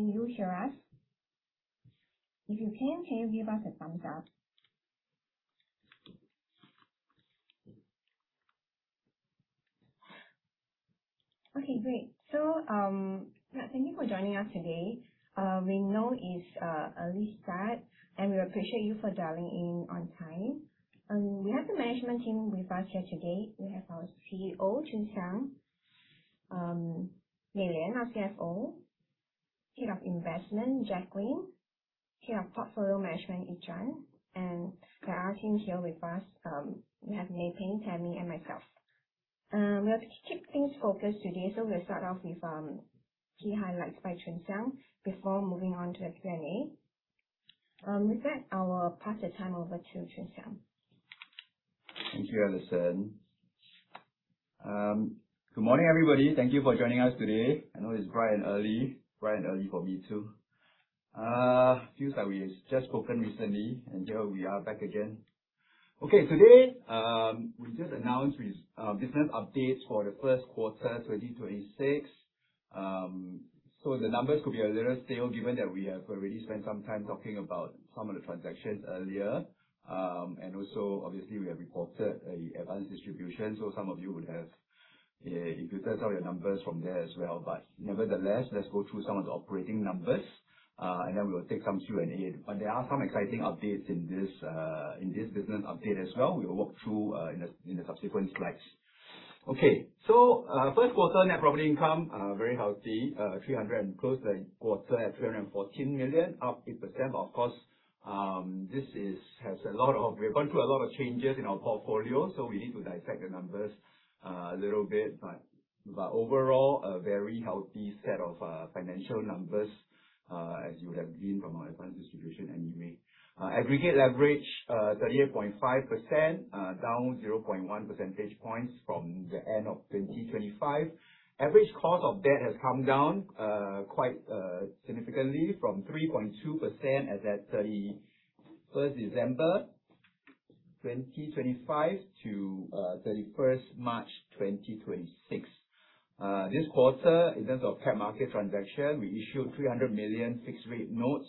Can you hear us? If you can you give us a thumbs up? Okay, great. Thank you for joining us today. We know it is an early start, and we appreciate you for dialing in on time. We have the management team with us here today. We have our CEO, Choon Siang. Mei Lian, our CFO. Head of Investment, Jacqueline Lee. Head of Portfolio Management, Yi Zhuan, and the IR team here with us, we have Mei Peng, Tammy, and myself. We will keep things focused today, so we will start off with key highlights by Choon Siang before moving on to a Q&A. I will pass the time over to Choon Siang. Thank you, Allison. Good morning, everybody. Thank you for joining us today. I know it is bright and early for me, too. Feels like we have just spoken recently, and here we are back again. Today, we just announced business updates for the first quarter 2026. The numbers could be a little stale given that we have already spent some time talking about some of the transactions earlier. Also, obviously, we have reported advanced distribution. Some of you would have, if you set out your numbers from there as well, nevertheless, let us go through some of the operating numbers, and then we will take some Q&A. There are some exciting updates in this business update as well. We will walk through in the subsequent slides. First quarter net property income, very healthy, closed the quarter at 314 million, up 8%. Of course, we have gone through a lot of changes in our portfolio, so we need to dissect the numbers a little bit. Overall, a very healthy set of financial numbers, as you would have seen from our advanced distribution anyway. Aggregate leverage, 38.5%, down 0.1 percentage points from the end of 2025. Average cost of debt has come down quite significantly from 3.2% as at December 31st, 2025 to March 31st, 2026. This quarter, in terms of cap market transaction, we issued 300 million fixed rate notes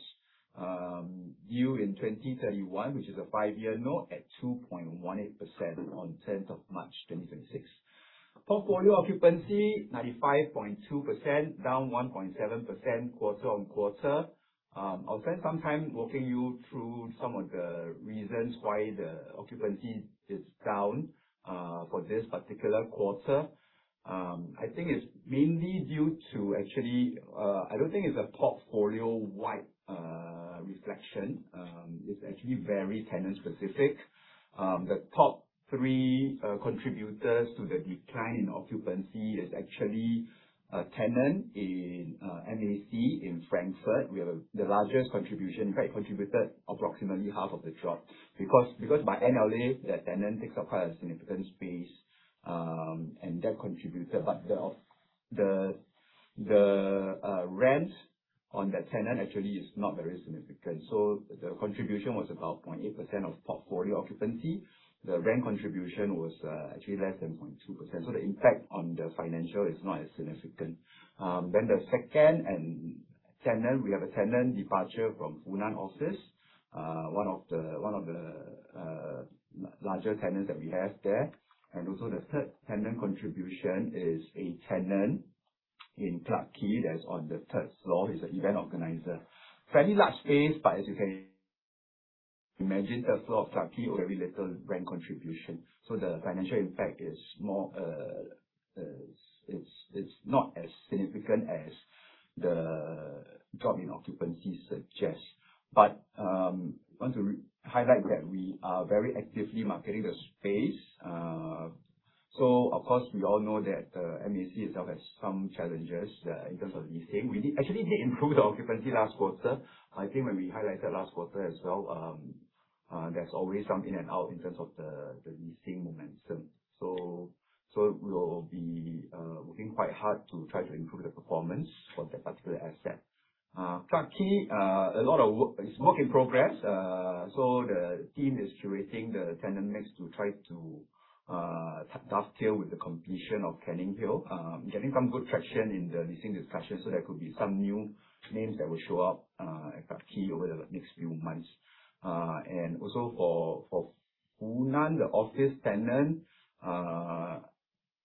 due in 2031, which is a five-year note at 2.18% on March 10th, 2026. Portfolio occupancy, 95.2%, down 1.7% quarter-on-quarter. I will spend some time walking you through some of the reasons why the occupancy is down for this particular quarter. I do not think it is a portfolio-wide reflection. It is actually very tenant-specific. The top three contributors to the decline in occupancy is actually a tenant in Gallileo in Frankfurt. We have the largest contribution, in fact, contributed approximately half of the drop because by NLA, that tenant takes up quite a significant space, and that contributed. The rent on that tenant actually is not very significant. So the contribution was about 0.8% of portfolio occupancy. The rent contribution was actually less than 0.2%. So the impact on the financial is not as significant. Then the second, we have a tenant departure from Funan Office, one of the larger tenants that we have there. Also, the third tenant contribution is a tenant in Clarke Quay that is on the third floor, he is an event organizer. Fairly large space, as you can imagine, third floor of Clarke Quay, very little rent contribution. The financial impact is not as significant as the drop in occupancy suggests. We want to highlight that we are very actively marketing the space. Of course, we all know that MAC itself has some challenges in terms of leasing. We actually did improve the occupancy last quarter. I think when we highlighted last quarter as well, there is always some in and out in terms of the leasing momentum. We will be working quite hard to try to improve the performance for that particular asset. Clarke Quay, it is work in progress. The team is curating the tenant mix to try to dovetail with the completion of Canninghill. Getting some good traction in the leasing discussion, there could be some new names that will show up at Clarke Quay over the next few months. Also for Funan, the office tenant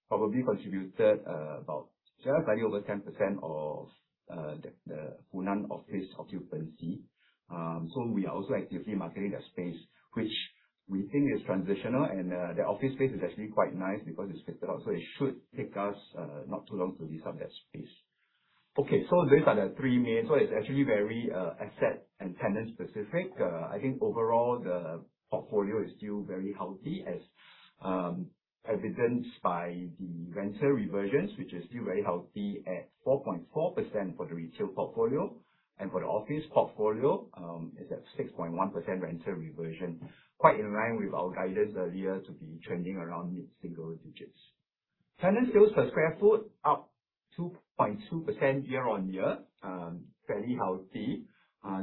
probably contributed about just slightly over 10% of the Funan Office occupancy. We are also actively marketing that space, which we think is transitional, and the office space is actually quite nice because it is fitted out, it should take us not too long to lease up that space. Those are the three main. It is actually very asset and tenant-specific. I think overall, the portfolio is still very healthy, as evidenced by the rental reversions, which is still very healthy at 4.4% for the retail portfolio. For the office portfolio, it is at 6.1% rental reversion. Quite in line with our guidance earlier to be trending around mid-single digits. Tenant sales per square foot up 2.2% year-on-year, fairly healthy.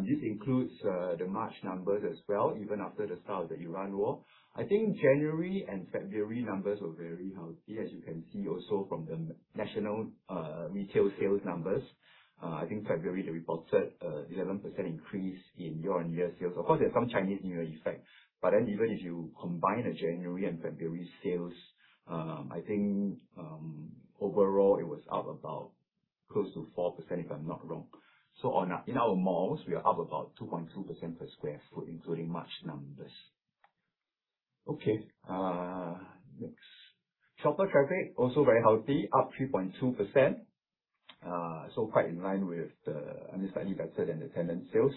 This includes the March numbers as well, even after the start of the Iran war. I think January and February numbers were very healthy, as you can see also from the national retail sales numbers. I think February they reported a 11% increase in year-on-year sales. Of course, there is some Chinese New Year effect, even if you combine the January and February sales, I think, overall, it was up about close to 4%, if I am not wrong. In our malls, we are up about 2.1% per square foot, including March numbers. Next. Shopper traffic also very healthy, up 3.2%. Quite in line with the, I mean, slightly better than the tenant sales.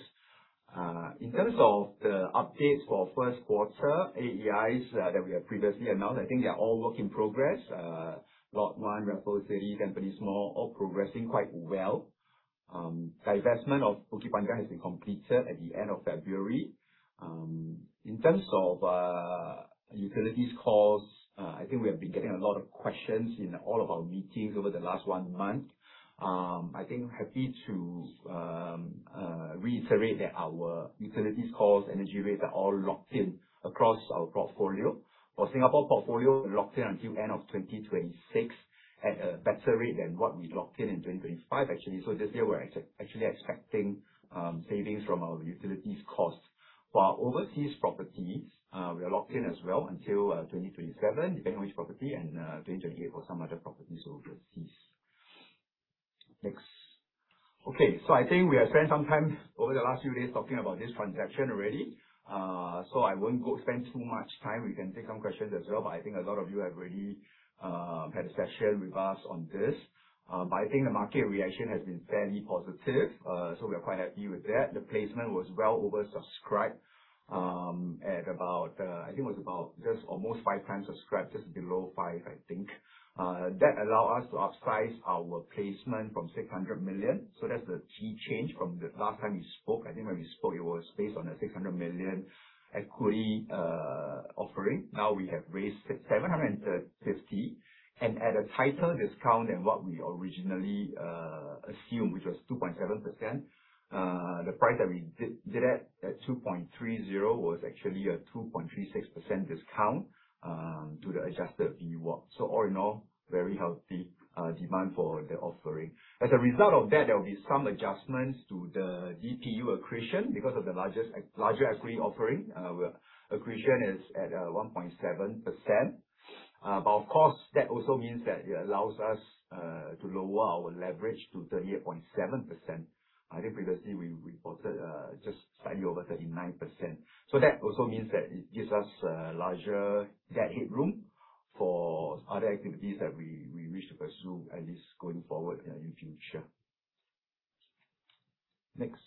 In terms of the updates for first quarter AEIs that we have previously announced, I think they are all work in progress. Lot One, Raffles City, Tampines Mall, all progressing quite well. Divestment of Bukit Panjang has been completed at the end of February. In terms of utilities costs, I think we have been getting a lot of questions in all of our meetings over the last one month. I think I am happy to reiterate that our utilities costs, energy rates, are all locked in across our portfolio. For Singapore portfolio, we are locked in until end of 2026 at a better rate than what we locked in 2025, actually. This year we are actually expecting savings from our utilities costs. For our overseas properties, we are locked in as well until 2027, depending on which property, and 2028 for some other properties overseas. Next. I think we have spent some time over the last few days talking about this transaction already. I will not go spend too much time. We can take some questions as well. I think a lot of you have already had a session with us on this. The market reaction has been fairly positive, so we are quite happy with that. The placement was well oversubscribed at about, just almost 5x times subscribed, just below 5x. That allow us to upsize our placement from 600 million. That's the key change from the last time we spoke. When we spoke it was based on a 600 million equity offering. Now we have raised 750 million, and at a tighter discount than what we originally assumed, which was 2.7%. The price that we did at 2.30 was actually a 2.36% discount to the adjusted VWAP. All in all, very healthy demand for the offering. As a result of that, there will be some adjustments to the DPU accretion. Because of the larger equity offering, our accretion is at 1.7%. Of course, that also means that it allows us to lower our leverage to 38.7%. Previously we reported just slightly over 39%. That also means that it gives us larger debt headroom for other activities that we wish to pursue, at least going forward in the near future. Next.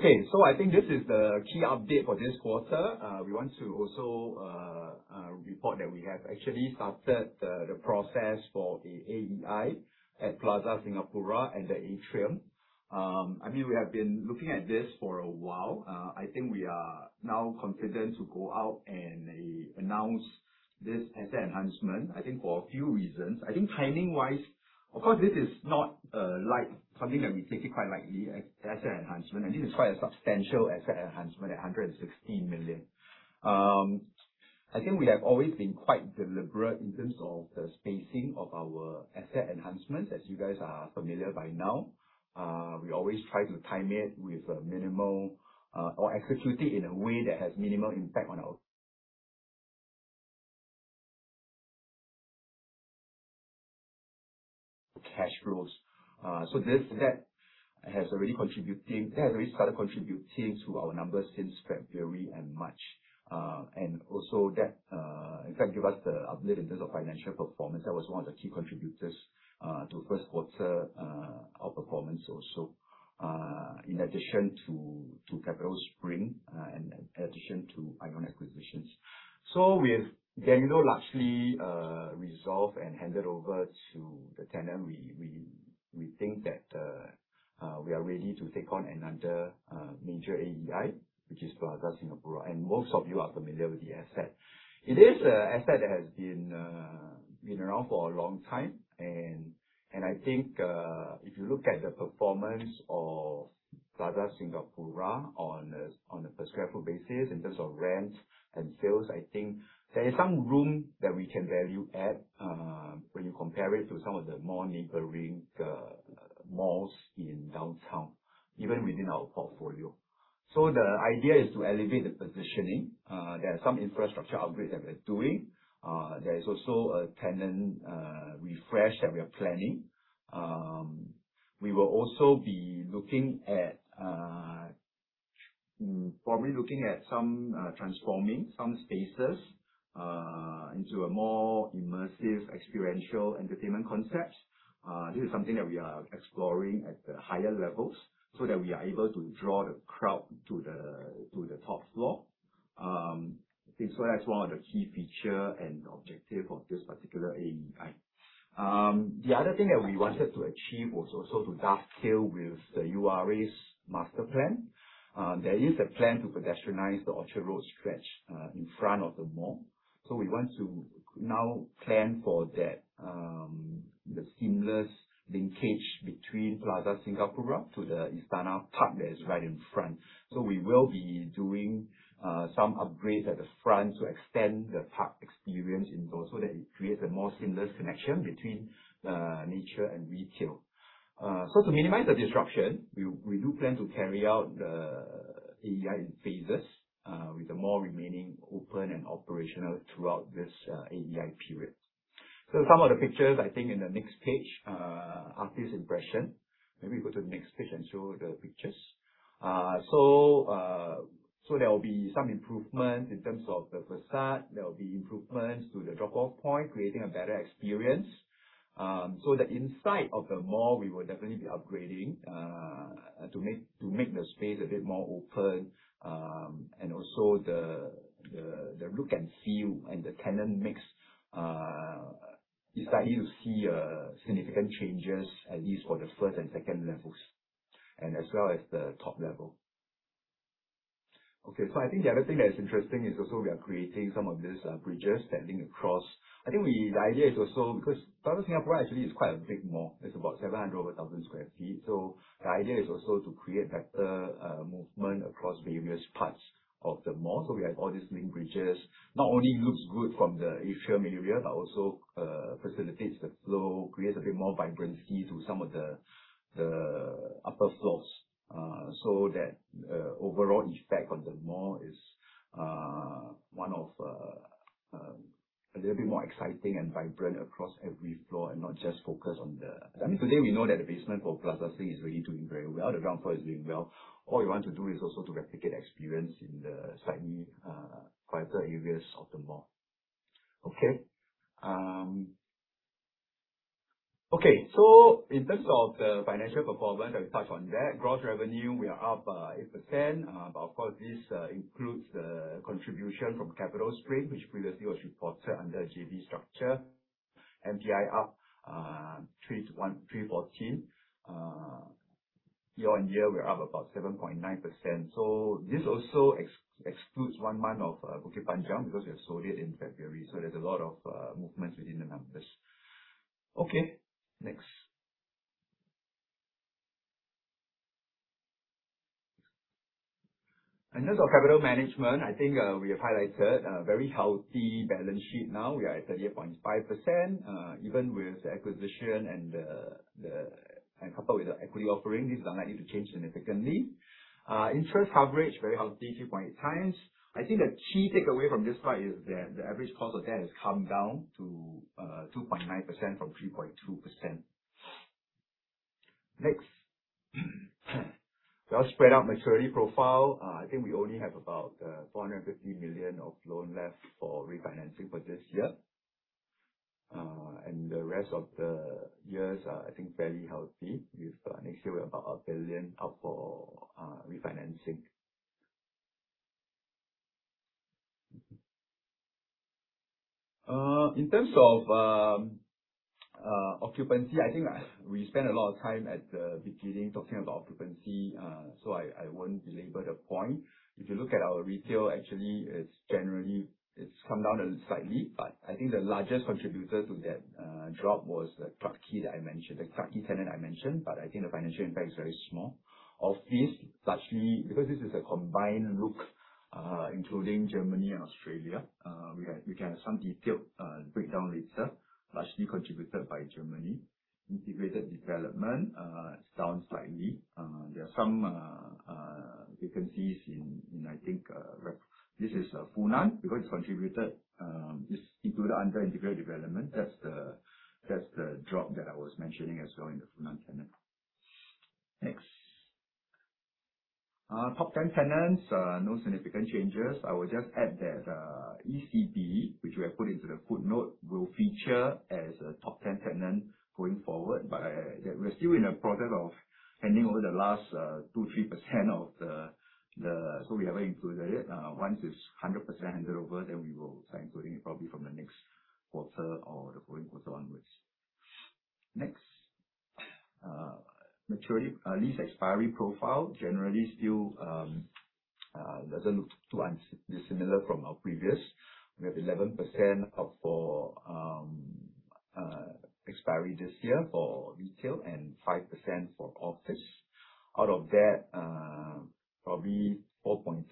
This is the key update for this quarter. We want to also report that we have actually started the process for the AEI at Plaza Singapura and The Atrium. I mean, we have been looking at this for a while. We are now confident to go out and announce this asset enhancement for a few reasons. Timing-wise, of course, this is not something that we take it quite lightly, asset enhancement. It's quite a substantial asset enhancement at 116 million. We have always been quite deliberate in terms of the spacing of our asset enhancements, as you guys are familiar by now. We always try to time it with a minimal, or execute it in a way that has minimal impact on our cash flows. That has already started contributing to our numbers since February and March. Also that, in fact, give us the update in terms of financial performance. That was one of the key contributors to first quarter outperformance also, in addition to CapitaSpring and in addition to ION acquisitions. With Gallileo largely resolved and handed over to the tenant, we think that we are ready to take on another major AEI, which is Plaza Singapura. Most of you are familiar with the asset. It is an asset that has been around for a long time. If you look at the performance of Plaza Singapura on a per square foot basis in terms of rents and sales, there is some room that we can value add, when you compare it to some of the more neighboring malls in downtown, even within our portfolio. The idea is to elevate the positioning. There are some infrastructure upgrades that we are doing. There is also a tenant refresh that we are planning. We will also be probably looking at transforming some spaces into a more immersive experiential entertainment concept. This is something that we are exploring at the higher levels so that we are able to draw the crowd to the top floor. That's one of the key feature and objective of this particular AEI. The other thing that we wanted to achieve was also to dovetail with the URA's master plan. There is a plan to pedestrianize the Orchard Road stretch in front of the mall. We want to now plan for that, the seamless linkage between Plaza Singapura to the Istana Park that is right in front. We will be doing some upgrades at the front to extend the park experience indoors, so that it creates a more seamless connection between nature and retail. To minimize the disruption, we do plan to carry out the AEI in phases, with the mall remaining open and operational throughout this AEI period. Some of the pictures, I think in the next page, artist impression. Maybe go to the next page and show the pictures. There will be some improvements in terms of the facade. There will be improvements to the drop-off point, creating a better experience. The inside of the mall, we will definitely be upgrading to make the space a bit more open. The look and feel, and the tenant mix is likely to see significant changes, at least for the first and second levels, as well as the top level. Okay. I think the other thing that is interesting is also we are creating some of these bridges extending across. I think the idea is also because Plaza Singapura actually is quite a big mall. It's about 700,000 sq ft. The idea is also to create better movement across various parts of the mall. We have all these link bridges. Not only looks good from the Atrium area, but also facilitates the flow, creates a bit more vibrancy to some of the upper floors. That overall effect on the mall is a little bit more exciting and vibrant across every floor and not just focused on the- I mean, today we know that the basement for Plaza Sing is really doing very well. The ground floor is doing well. All we want to do is also to replicate the experience in the slightly quieter areas of the mall. Okay. In terms of the financial performance, let me touch on that. Gross revenue, we are up 8%, but of course, this includes the contribution from CapitaSpring, which previously was reported under a JV structure. MGI up three to SGD 314. Year-on-year, we are up about 7.9%. This also excludes one month of Bukit Panjang because we have sold it in February. There's a lot of movements within the numbers. Okay, next. In terms of capital management, I think we have highlighted a very healthy balance sheet now. We are at 38.5%, even with the acquisition and coupled with the equity offering. These are unlikely to change significantly. Interest coverage, very healthy, 2.8x. I think the key takeaway from this slide is that the average cost of debt has come down to 2.9% from 3.2%. Next. Well spread out maturity profile. I think we only have about 450 million of loan left for refinancing for this year. The rest of the years are, I think, fairly healthy with next year we have about 1 billion up for refinancing. In terms of occupancy, I think we spent a lot of time at the beginning talking about occupancy, so I won't belabor the point. If you look at our retail, actually, it's come down slightly, but I think the largest contributor to that drop was the Clarke Quay tenant I mentioned, but I think the financial impact is very small. Office, largely because this is a combined look, including Germany and Australia. We can have some detailed breakdown later, largely contributed by Germany. Integrated development is down slightly. There are some vacancies in, I think, this is Funan because it's included under integrated development. That's the drop that I was mentioning as well in the Funan tenant. Next. Top 10 tenants, no significant changes. I would just add that ECB, which we have put into the footnote, will feature as a top 10 tenant going forward. We're still in the process of handing over the last 2%, 3% of the. We haven't included it yet. Once it's 100% handed over, then we will start including it probably from the next quarter or the following quarter onwards. Next. Lease expiry profile. Generally still doesn't look too dissimilar from our previous. We have 11% up for expiry this year for retail, and 5% for office. Out of that, probably 4.3%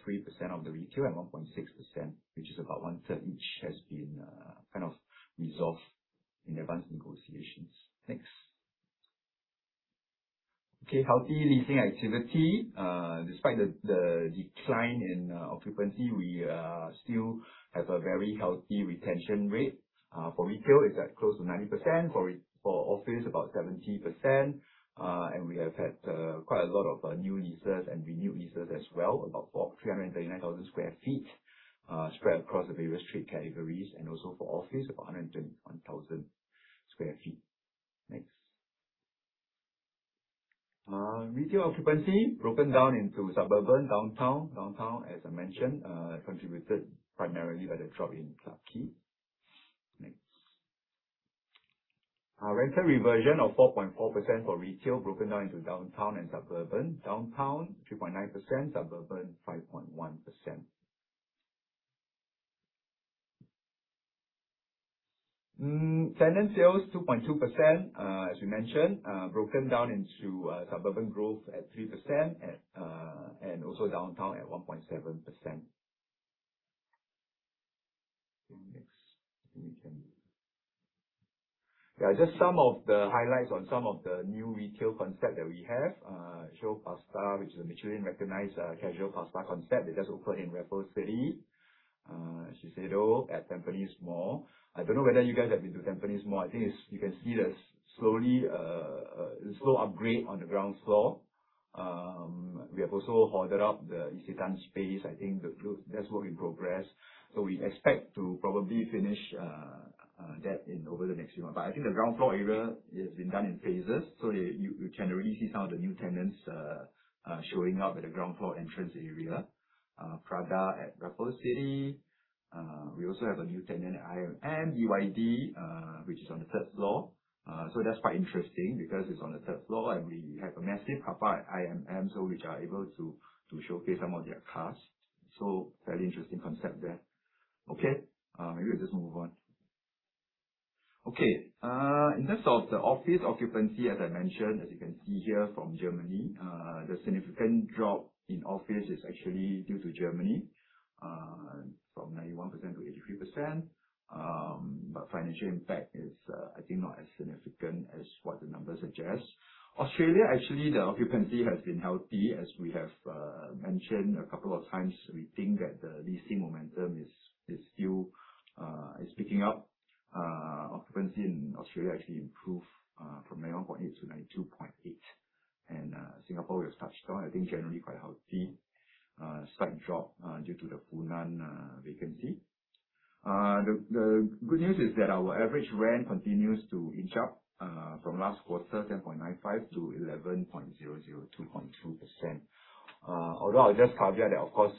of the retail and 1.6%, which is about 1/3 each, has been kind of resolved in advance negotiations. Next. Okay, healthy leasing activity. Despite the decline in occupancy, we still have a very healthy retention rate. For retail, it's at close to 90%. For office, about 70%. We have had quite a lot of new leases and renewed leases as well, about 339,000 sq ft spread across the various trade categories. Also for office, about 121,000 sq ft. Retail occupancy broken down into suburban, downtown. Downtown, as I mentioned, contributed primarily by the drop in Clarke Quay. Next. Rental reversion of 4.4% for retail, broken down into downtown and suburban. Downtown 3.9%, suburban 5.1%. Tenant sales 2.2%, as we mentioned, broken down into suburban growth at 3% and also downtown at 1.7%. Okay, next. I think we can. Just some of the highlights on some of the new retail concept that we have. Sio Pasta, which is a Michelin-recognized casual pasta concept that just opened in Raffles City. Shiseido at Tampines Mall. I don't know whether you guys have been to Tampines Mall. I think you can see the slow upgrade on the ground floor. We have also hoarded up the Isetan space. I think that's work in progress. We expect to probably finish that over the next few months. I think the ground floor area has been done in phases, so you can already see some of the new tenants showing up at the ground floor entrance area. Prada at Raffles City. We also have a new tenant at IMM, BYD, which is on the third floor. That's quite interesting because it's on the third floor and we have a massive car park at IMM, which are able to showcase some of their cars. Fairly interesting concept there. Okay, maybe we just move on. Okay. In terms of the office occupancy, as I mentioned, as you can see here from Germany, the significant drop in office is actually due to Germany, from 91% to 83%. Financial impact is, I think, not as significant as what the numbers suggest. Australia, actually, the occupancy has been healthy. As we have mentioned a couple of times, we think that the leasing momentum is picking up. Occupancy in Australia actually improved from 91.8% to 92.8%. Singapore, we have touched on. I think generally quite healthy. Slight drop due to the Funan vacancy. The good news is that our average rent continues to inch up from last quarter, 10.95 to 11.00, 2.2%. Although I'll just caveat that, of course,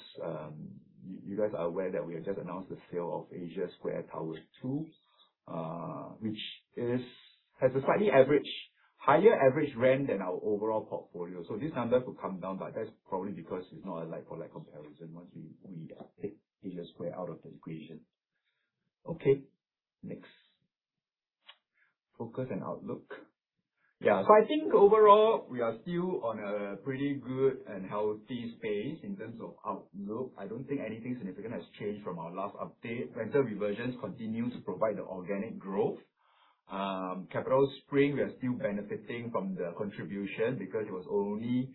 you guys are aware that we have just announced the sale of Asia Square Tower 2, which has a slightly higher average rent than our overall portfolio. This number could come down, but that's probably because it's not a like-for-like comparison once we take Asia Square out of the equation. Okay, next. Focus and outlook. I think overall we are still on a pretty good and healthy space in terms of outlook. I don't think anything significant has changed from our last update. Rental reversions continue to provide the organic growth. CapitaSpring, we are still benefiting from the contribution because it was only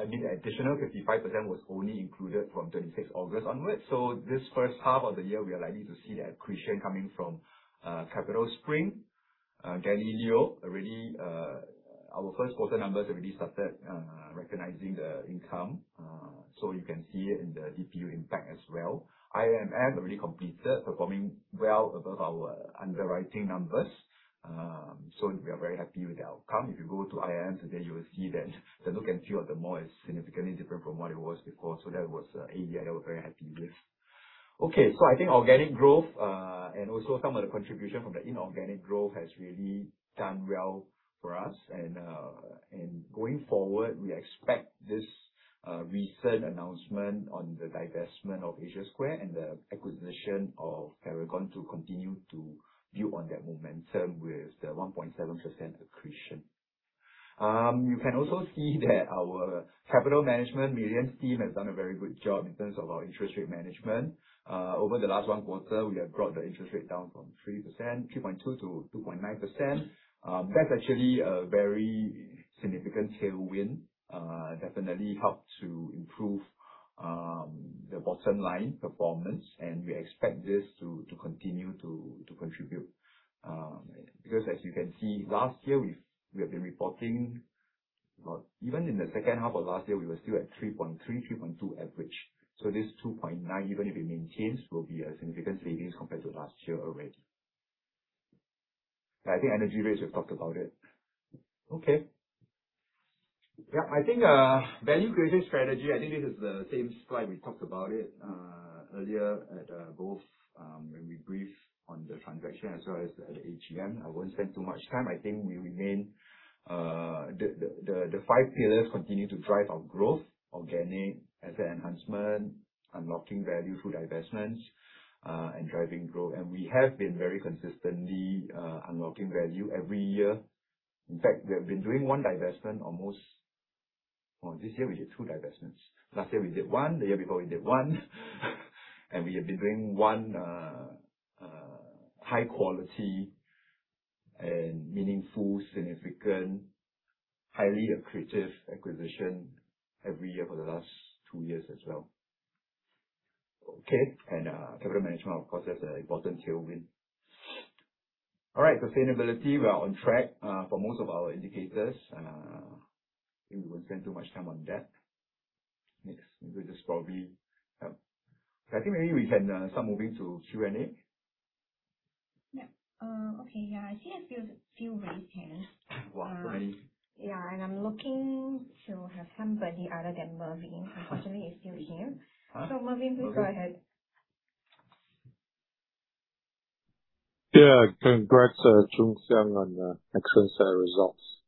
additional 55% was only included from 26th August onwards. This first half of the year, we are likely to see the accretion coming from CapitaSpring. Gallileo, our first quarter numbers have already started recognizing the income, so you can see it in the DPU impact as well. IMM already completed, performing well above our underwriting numbers. We are very happy with the outcome. If you go to IMM today, you will see that the look and feel of the mall is significantly different from what it was before. That was an area that we're very happy with. Okay. I think organic growth and also some of the contribution from the inorganic growth has really done well for us. Going forward, we expect this recent announcement on the divestment of Asia Square and the acquisition of Paragon to continue to build on that momentum with the 1.7% accretion. You can also see that our capital management Mei Lian's team has done a very good job in terms of our interest rate management. Over the last one quarter, we have brought the interest rate down from 3.2% to 2.9%. That's actually a very significant tailwind. Definitely helped to improve the bottom line performance, and we expect this to continue to contribute. As you can see, even in the second half of last year, we were still at 3.3%, 3.2% average. This 2.9%, even if it maintains, will be a significant savings compared to last year already. I think energy rates, we have talked about it. Okay. I think value-creating strategy, I think this is the same slide we talked about it earlier at both when we briefed on the transaction as well as at AGM. I won't spend too much time. I think the five pillars continue to drive our growth, organic asset enhancement, unlocking value through divestments, and driving growth. We have been very consistently unlocking value every year. In fact, we have been doing one divestment this year we did two divestments. Last year we did one, the year before we did one. We have been doing one high quality and meaningful, significant, highly accretive acquisition every year for the last two years as well. Okay. Capital management, of course, that's an important tailwind. All right. Sustainability, we are on track for most of our indicators. I think we won't spend too much time on that. Next, we'll just probably I think maybe we can start moving to Q&A. Yeah. Okay. Yeah, I think a few raised hands. Wow. Many. Yeah, I'm looking to have somebody other than Mervin. Unfortunately, he's still here. Mervin, please go ahead. Yeah. Congrats, Choon Siang, on an excellent set of results.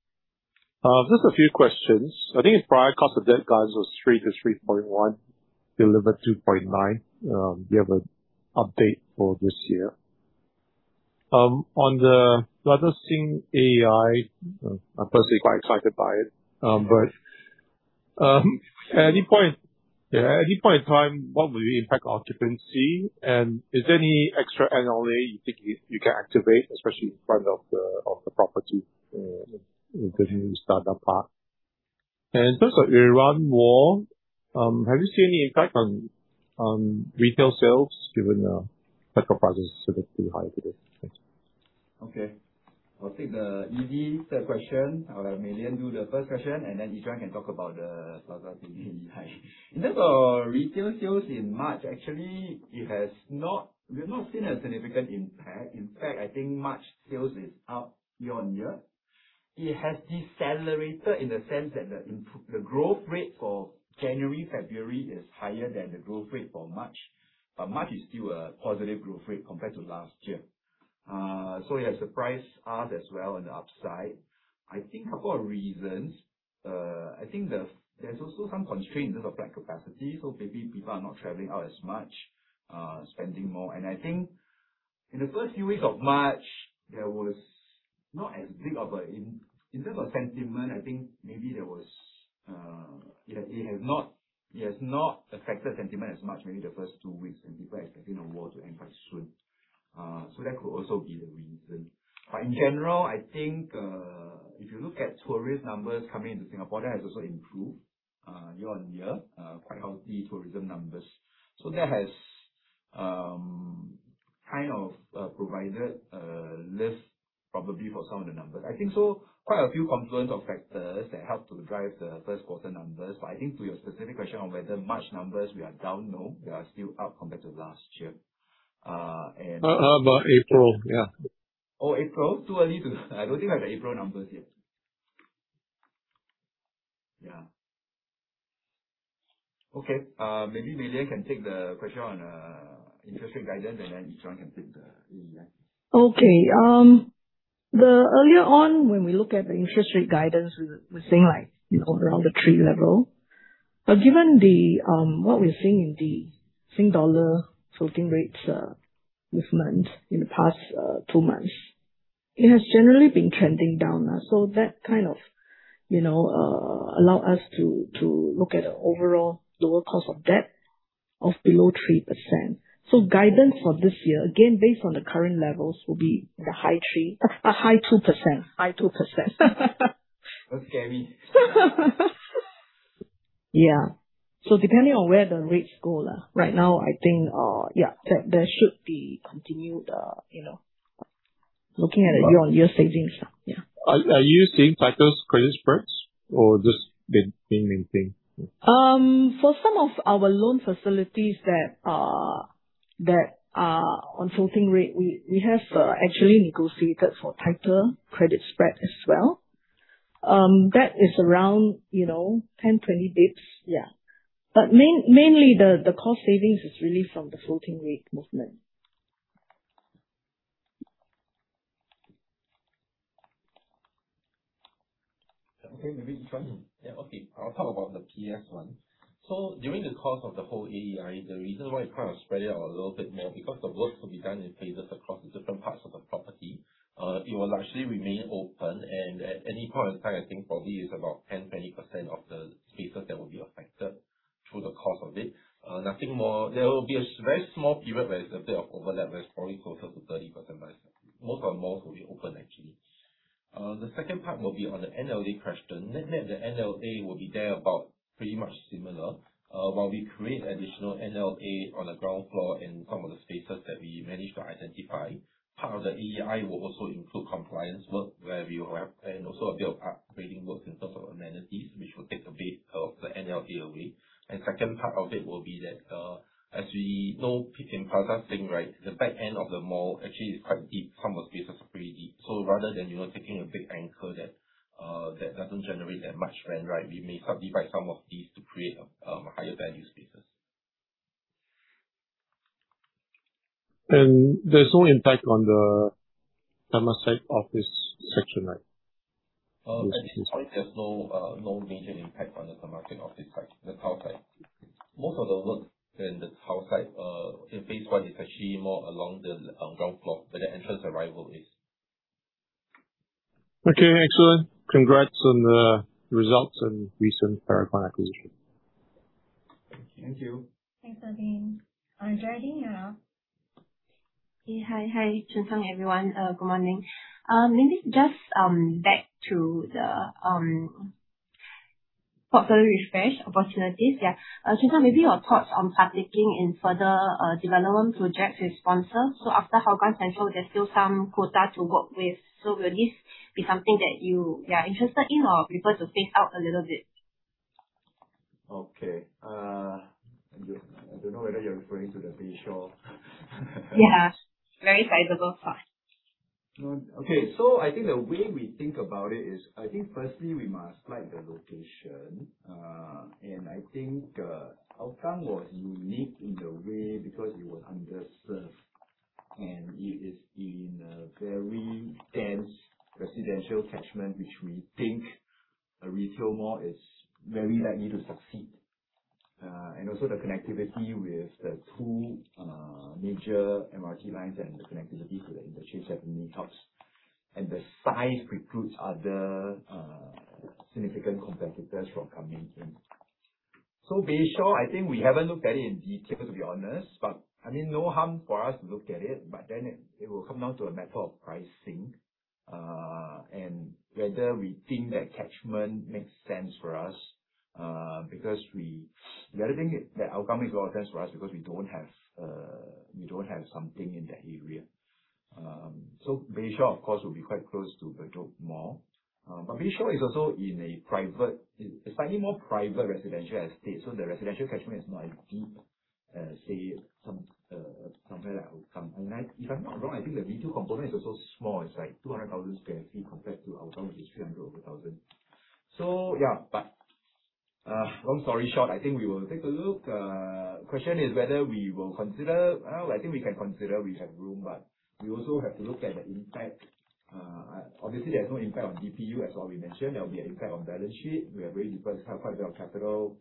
Just a few questions. I think your prior cost of debt guidance was 3%-3.1%, delivered 2.9%. Do you have an update for this year? On the Plaza Sing AEI, I'm personally quite excited by it. What will be the impact on occupancy, and is there any extra NLA you think you can activate, especially in front of the property, including the Istana Park? In terms of Iran war, have you seen any impact on retail sales given petrol prices are still pretty high today? Thanks. Okay. I'll take the easy third question. I'll have Mei Lian do the first question, Yi Zhuan can talk about the Plaza Sing AEI. In terms of retail sales in March, actually, we've not seen a significant impact. In fact, I think March sales is up year-on-year. It has decelerated in the sense that the growth rate for January, February is higher than the growth rate for March. March is still a positive growth rate compared to last year. It has surprised us as well on the upside. I think a couple of reasons. I think there's also some constraints in terms of flight capacity, maybe people are not traveling out as much, spending more. I think in the first few weeks of March, in terms of sentiment, I think maybe it has not affected sentiment as much, maybe the first two weeks, people are expecting the war to end quite soon. That could also be the reason. In general, I think, if you look at tourist numbers coming into Singapore, that has also improved year-on-year. Quite healthy tourism numbers. That has kind of provided lift probably for some of the numbers. I think so, quite a few confluence of factors that helped to drive the first quarter numbers. I think to your specific question on whether March numbers were down, no, they are still up compared to last year. How about April? Yeah. Oh, April? I don't think we have the April numbers yet. Yeah. Mei Lian can take the question on interest rate guidance, and then Yi Zhuan can take the AEI. Earlier on, when we looked at the interest rate guidance, we were saying around the 3% level. Given what we're seeing in the Singapore dollar floating rates movement in the past two months, it has generally been trending down. That kind of allowed us to look at an overall lower cost of debt of below 3%. Guidance for this year, again, based on the current levels, will be in the high 2%. That's scary. Yeah. Depending on where the rates go. Right now, I think there should be continued, looking at it year-over-year savings. Yeah. Are you seeing tighter credit spreads or just the same thing? For some of our loan facilities that are on floating rate, we have actually negotiated for tighter credit spread as well. That is around 10, 20 basis points. Mainly, the cost savings is really from the floating rate movement. Maybe Yi Zhuan. I'll talk about the PS one. During the course of the whole AEI, the reason why it kind of spread out a little bit now, because the work to be done in phases across the different parts of the property, it will largely remain open, and at any point in time, I think probably it's about 10%, 20% of the spaces that will be affected through the course of it. Nothing more. There will be a very small period where there's a bit of overlap that's probably closer to 30%, but most of the malls will be open, actually. The second part will be on the NLA question. Net, the NLA will be there about pretty much similar. While we create additional NLA on the ground floor and some of the spaces that we managed to identify, part of the AEI will also include compliance work and also a bit of upgrading works in terms of amenities, which will take a bit of the NLA away. Second part of it will be that, as we know in Plaza Sing, the back end of the mall actually is quite deep. Some of the spaces are pretty deep. Rather than taking a big anchor that doesn't generate that much rent, we may subdivide some of these to create higher value spaces. There's no impact on the commercial office section, right? At this point, there's no major impact on the commercial office side, the tower side. Most of the work in the tower side in phase I is actually more along the ground floor where the entrance arrival is. Okay. Excellent. Congrats on the results and recent Paragon acquisition. Thank you. Thanks, Mervin. Geraldine, yeah. Hi, Choon Siang, everyone. Good morning. Maybe just back to the portfolio refresh opportunities. Yeah. Choon Siang, maybe your thoughts on partaking in further development projects with sponsors. After Hougang Central, there's still some quota to work with. Will this be something that you are interested in or prefer to phase out a little bit? Okay. I don't know whether you're referring to the Bayshore. Yeah. Very sizable spot. I think the way we think about it is, firstly, we must like the location. I think Hougang was unique in the way because it was underserved, and it is in a very dense residential catchment, which we think a retail mall is very likely to succeed. Also the connectivity with the two major MRT lines and the connectivity to the industry certainly helps. The size recruits other significant competitors from coming in. Bayshore, I think we haven't looked at it in detail, to be honest, but no harm for us to look at it, but then it will come down to a matter of pricing, and whether we think that catchment makes sense for us. The other thing, that outcome makes a lot of sense for us because we don't have something in that area. Bayshore, of course, will be quite close to Bedok Mall. Bayshore is also in a slightly more private residential estate, so the residential catchment is not as deep as, say, somewhere like Hougang. If I'm not wrong, I think the retail component is also small. It's like 200,000 sq ft compared to Hougang, which is 300,000 sq ft, long story short, I think we will take a look. Question is whether we will consider. Well, I think we can consider we have room, but we also have to look at the impact. Obviously, there's no impact on DPU as well, we mentioned. There will be an impact on balance sheet. We have raised quite a bit of capital,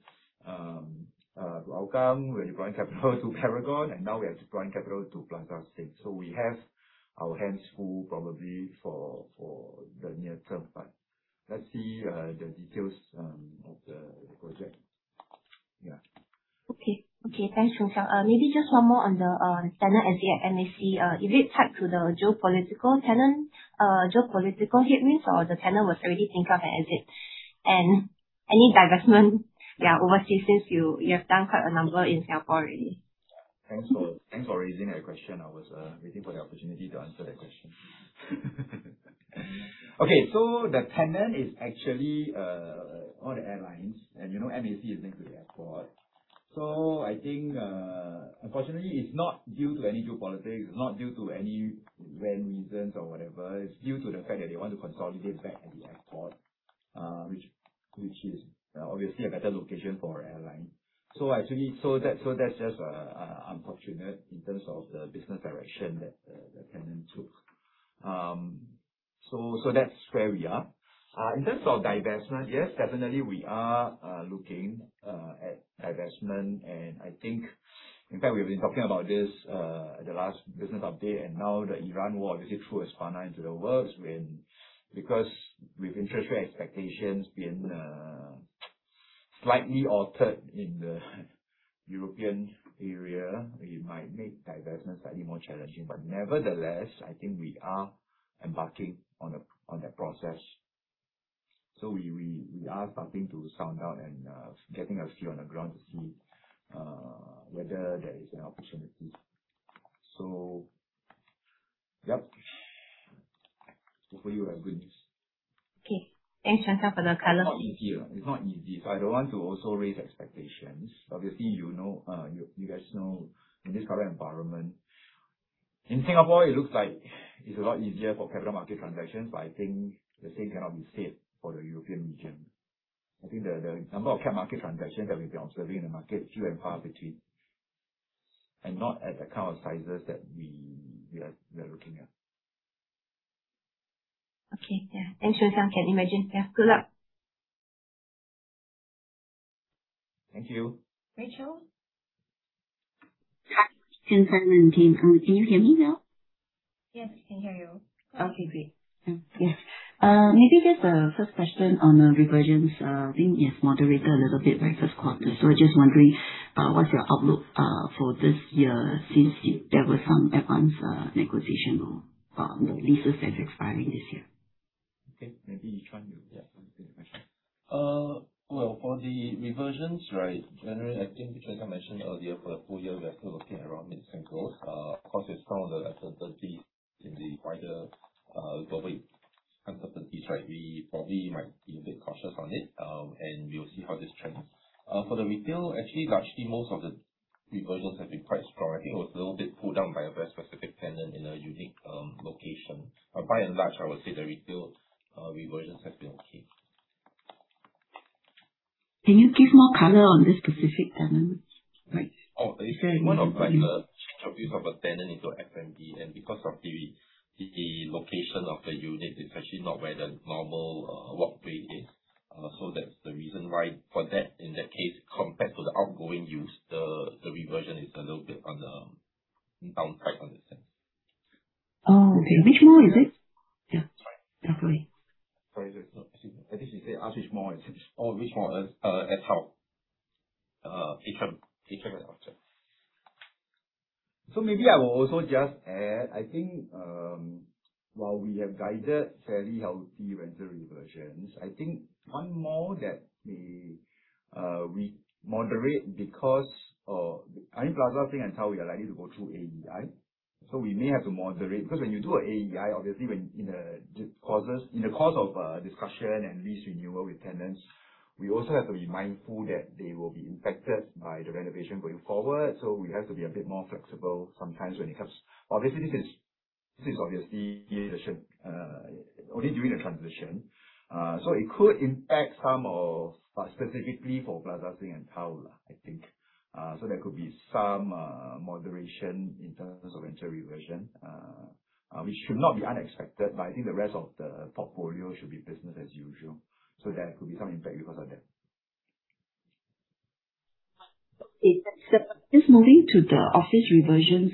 to Hougang. We're deploying capital to Paragon, and now we are deploying capital to Plaza Sing. We have our hands full probably for the near term, but let's see the details of the project. Yeah. Thanks, Choon Siang. Maybe just one more on the tenant exit at MAC. Is it tied to the geopolitical hit means or the tenant was already thinking of an exit? Any divestment overseas, since you have done quite a number in Singapore already. Thanks for raising that question. I was waiting for the opportunity to answer that question. The tenant is actually all the airlines, and you know MAC is next to the airport. I think, unfortunately, it's not due to any geopolitics, it's not due to any rent reasons or whatever. It's due to the fact that they want to consolidate back at the airport, which is obviously a better location for airline. That's just unfortunate in terms of the business direction that the tenant took. That's where we are. In terms of divestment, yes, definitely we are looking at divestment, and I think, in fact, we've been talking about this the last business update and now the Iran war basically threw a spanner into the works when, because with interest rate expectations being slightly altered in the European area, it might make divestment slightly more challenging. Nevertheless, I think we are embarking on that process. We are starting to sound out and getting a feel on the ground to see whether there is an opportunity. Hopefully we'll have good news. Thanks, Choon Siang, for the color. It's not easy. I don't want to also raise expectations. Obviously, you guys know in this current environment, in Singapore, it looks like it's a lot easier for capital market transactions, but I think the same cannot be said for the European region. I think the number of capital market transactions that we've been observing in the market is few and far between, and not at the kind of sizes that we are looking at. Okay. Yeah. Thanks, Choon Siang, can imagine. Yeah. Good luck. Thank you. Rachel? Hi. Can you hear me well? Yes, we can hear you. Okay, great. Maybe just a first question on the reversions. I think it is moderated a little bit by first quarter. I was just wondering, what is your outlook for this year since there were some advanced negotiation on the leases that are expiring this year? Okay. Maybe Yi Zhuan, you want to take the question. Well, for the reversions, right, generally, I think Choon Siang mentioned earlier, for the full year, we are still looking around mid-single. Of course, with some of the uncertainties in the wider global uncertainties, we probably might be a bit cautious on it, and we will see how this trends. For the retail, actually, largely most of the reversals have been quite strong. I think it was a little bit pulled down by a very specific tenant in a unique location. By and large, I would say the retail reversions have been okay. Can you give more color on this specific tenant? Oh, it's more of like a change of use of a tenant into F&B and because of the location of the unit, it's actually not where the normal walkway is. That's the reason why for that, in that case, compared to the outgoing use, the reversion is a little bit on the downside on the sense. Oh, okay. Which mall is it? Yeah. Sorry. No, go ahead. Sorry. I think she said ask mall which mall it is. Oh, which mall? It's. Maybe I will also just add, I think while we have guided fairly healthy rental reversions, I think one more that may moderate because of I think Plaza Sing and we are likely to go through AEI. We may have to moderate, because when you do an AEI, obviously in the course of discussion and lease renewal with tenants, we also have to be mindful that they will be impacted by the renovation going forward. We have to be a bit more flexible sometimes when it comes. Obviously, this is only during the transition. It could impact some of, specifically for Plaza Sing and [audio distoortion], I think. There could be some moderation in terms of rental reversion, which should not be unexpected, but I think the rest of the portfolio should be business as usual. There could be some impact because of that. Okay. Just moving to the office reversions.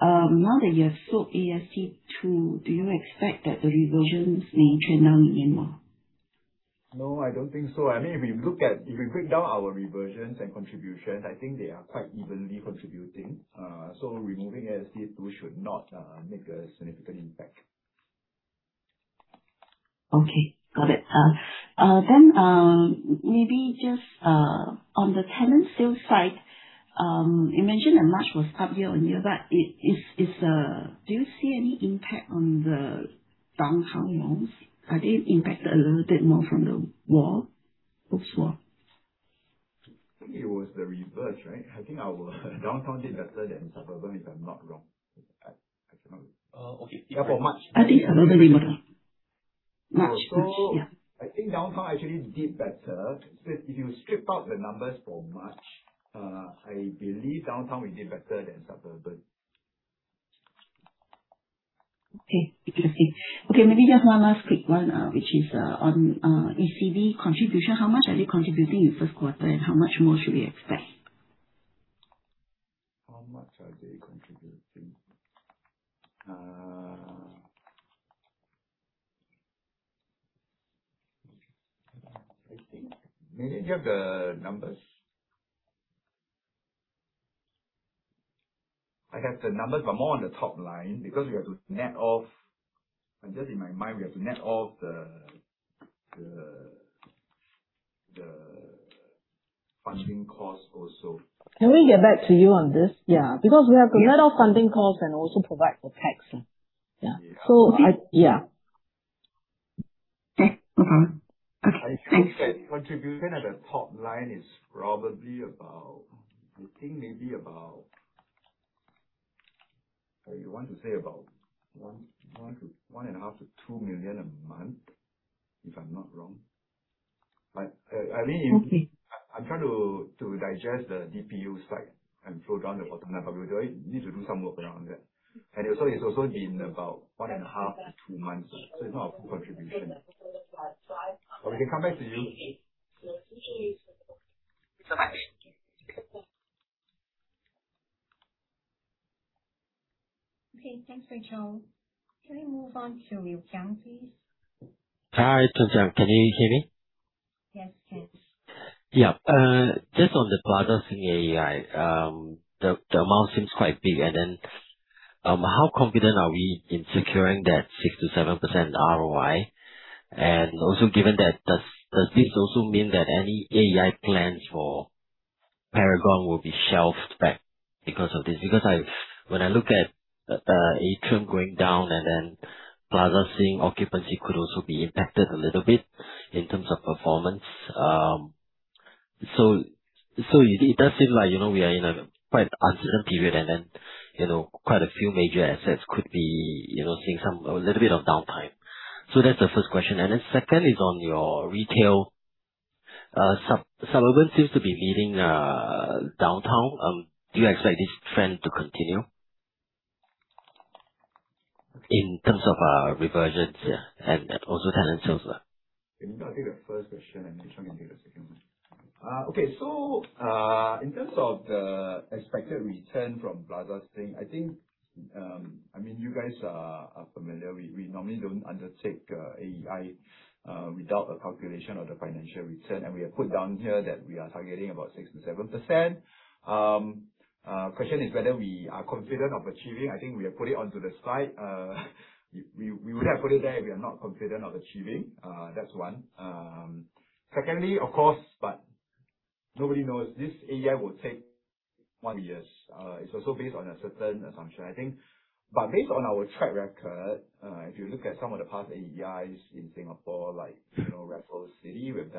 Now that you have sold AST2, do you expect that the reversions may channel in more? No, I don't think so. If we break down our reversions and contributions, I think they are quite evenly contributing. Removing AST2 should not make a significant impact. Okay. Got it. Maybe just on the tenant sales side, you mentioned that March was up year-over-year, but do you see any impact on the downtown malls? Are they impacted a little bit more from the war, Ukraine war? I think it was the reverse, right? I think our downtown did better than suburban, if I'm not wrong. I cannot remember. Okay. Yeah, for March. I think suburban. March. Yeah. I think downtown actually did better. If you strip out the numbers for March, I believe downtown we did better than suburban. Okay. Interesting. Okay, maybe just one last quick one, which is, on ACD contribution, how much are they contributing in first quarter, and how much more should we expect? How much are they contributing? Maybe you have the numbers. I have the numbers, but more on the top line, because we have to net off. Just in my mind, we have to net off the funding cost also. Can we get back to you on this? Yeah, because we have to net off funding costs and also provide for tax. Yeah. Yeah. I. Yeah. Okay. I think that contribution at the top line is probably maybe about, you want to say about 1.5 million-2 million a month, if I'm not wrong. I mean. Okay I'm trying to digest the DPU side and flow down the bottom line, we need to do some work around that. It's also been about 1.5-2 months. It's not a full contribution. We can come back to you. Thanks so much. Okay, thanks, Rachel. Can we move on to Li Jia Lin? Hi, it's Li Jia. Can you hear me? Yes, can. Just on the Plaza Sing AEI, the amount seems quite big. How confident are we in securing that 6-7 % ROI? Also given that, does this also mean that any AEI plans for Paragon will be shelved back because of this? When I look at Atrium going down, Plaza Sing occupancy could also be impacted a little bit in terms of performance. It does seem like we are in a quite uncertain period. Quite a few major assets could be seeing a little bit of downtime. That's the first question. Second is on your retail. Suburban seems to be leading downtown. Do you expect this trend to continue? In terms of our reversions, and also tenant sales. Okay. I'll take the first question, then Yi Zhuan will take the second one. Okay. In terms of the expected return from Plaza Sing, you guys are familiar. We normally don't undertake AEI without a calculation of the financial return, we have put down here that we are targeting about 6%-7%. Question is whether we are confident of achieving. I think we have put it onto the slide. We would have put it there if we are not confident of achieving, that's one. Secondly, of course, nobody knows this AEI will take what years. It's also based on a certain assumption, I think. Based on our track record, if you look at some of the past AEIs in Singapore, like Raffles City, we've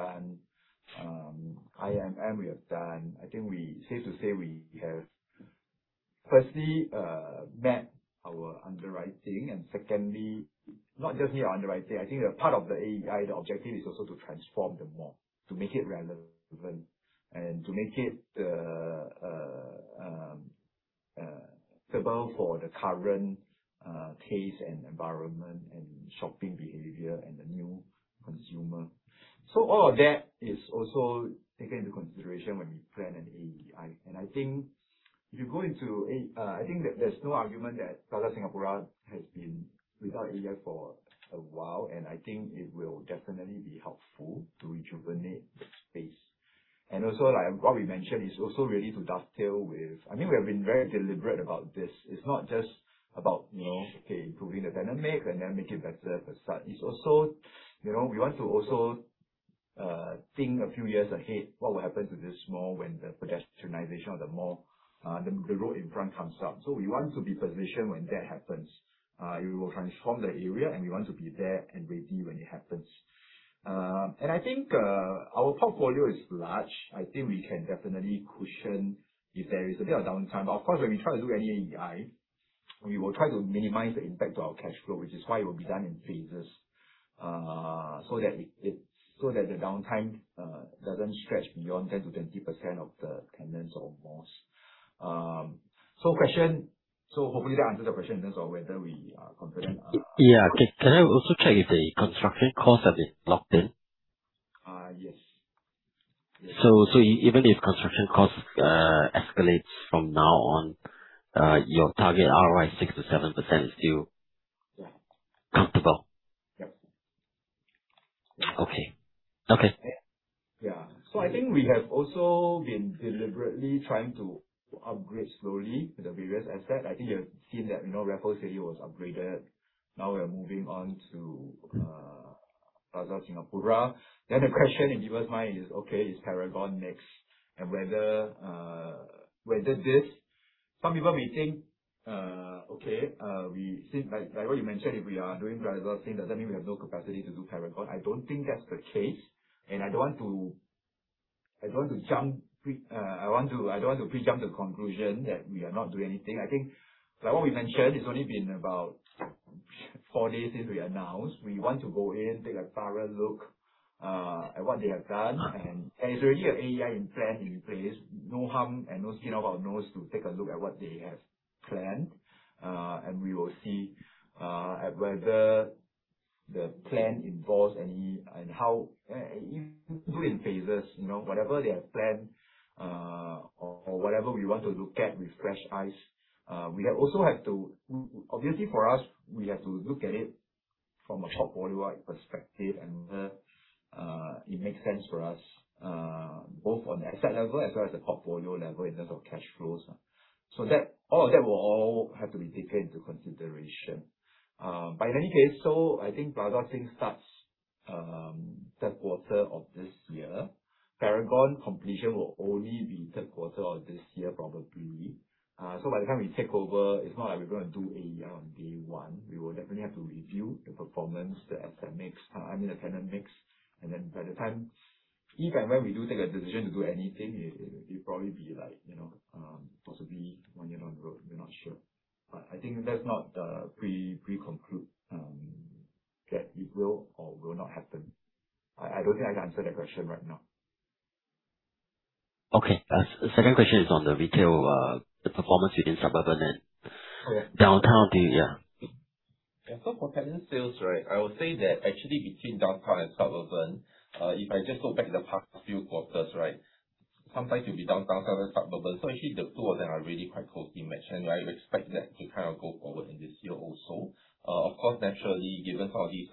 done IMM, we have done I think we safe to say we have firstly, met our underwriting and secondly, not just your underwriting, I think part of the AEI, the objective is also to transform the mall, to make it relevant and to make it suitable for the current case and environment and shopping behavior and the new consumer. All of that is also taken into consideration when we plan an AEI, I think there's no argument that Plaza Singapura has been without AEI for a while, I think it will definitely be helpful to rejuvenate the space. Also what we mentioned is also really to dovetail with We have been very deliberate about this. It's not just about, okay, improving the tenant mix, then make it better, it's also we want to also think a few years ahead what will happen to this mall when the pedestrianization of the mall, the road in front comes up. We want to be positioned when that happens. We will transform the area, we want to be there and ready when it happens. I think our portfolio is large. I think we can definitely cushion if there is a bit of downtime. Of course, when we try to do any AEI, we will try to minimize the impact to our cash flow, which is why it will be done in phases so that the downtime doesn't stretch beyond 10%-20% of the tenants or malls. Hopefully that answers your question in terms of whether we are comfortable. Yeah. Can I also check if the construction costs have been locked in? Yes. Even if construction costs escalates from now on, your target ROI 6%-7% is still- Yeah comfortable? Yes. Okay. Yeah. I think we have also been deliberately trying to upgrade slowly the various assets. I think you've seen that Raffles City was upgraded. Now we are moving on to Plaza Singapura. The question in viewers' mind is, okay, is Paragon next? Whether this, some people may think, okay, by the way you mentioned, if we are doing Plaza Singapura, doesn't mean we have no capacity to do Paragon. I don't think that's the case, and I don't want to pre-jump to conclusion that we are not doing anything. I think by what we mentioned, it's only been about four days since we announced. We want to go in, take a thorough look at what they have done. It's already an AEI plan in place. No harm and no skin off our nose to take a look at what they have planned. We will see whether the plan involves any, and how do in phases, whatever they have planned, or whatever we want to look at with fresh eyes. Obviously for us, we have to look at it from a portfolio-wide perspective and whether it makes sense for us, both on the asset level as well as the portfolio level in terms of cash flows. All of that will all have to be taken into consideration. In any case, I think Plaza Singapura starts third quarter of this year. Paragon completion will only be third quarter of this year, probably. By the time we take over, it's not like we're going to do AEI on day one. We will definitely have to review the performance, the asset mix, I mean the tenant mix. Then by the time, if and when we do take a decision to do anything, it'll probably be possibly one year down the road, we're not sure. I think let's not pre-conclude that it will or will not happen. I don't think I can answer that question right now. Okay. Second question is on the retail, the performance within suburban and- Yeah downtown. Yeah. For tenant sales, I would say that actually between downtown and suburban, if I just go back the past few quarters, sometimes it'll be downtown, sometimes suburban. Actually the two of them are really quite closely matched, and I expect that to go forward in this year also. Of course, naturally, given all these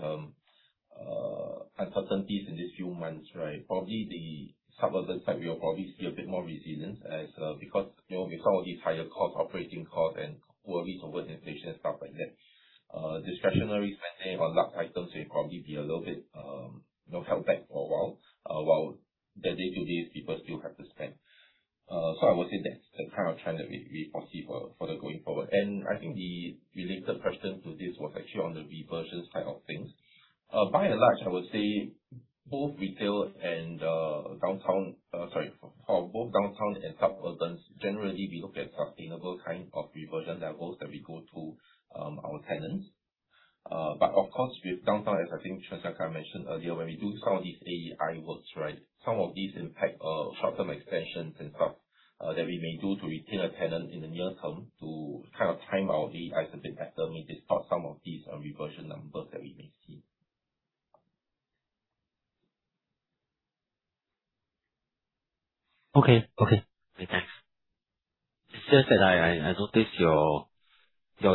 uncertainties in these few months, probably the suburban side, we'll probably see a bit more resilience as because of some of these higher costs, operating costs and lower lease over densification and stuff like that. Discretionary spending on large items will probably be a little bit held back for a while the day to day people still have to spend. I would say that's the kind of trend that we foresee further going forward. I think the related question to this was actually on the reversion side of things. By and large, I would say both retail and downtown, sorry, for both downtown and suburban, generally, we look at sustainable kind of reversion levels that we give to our tenants. Of course, with downtown, as I think, just like I mentioned earlier, when we do some of these AEI works, some of these impact short-term extensions and stuff that we may do to retain a tenant in the near term to time out the asset bit better may distort some of these reversion numbers that we may see. Okay. Thanks. It's just that I noticed your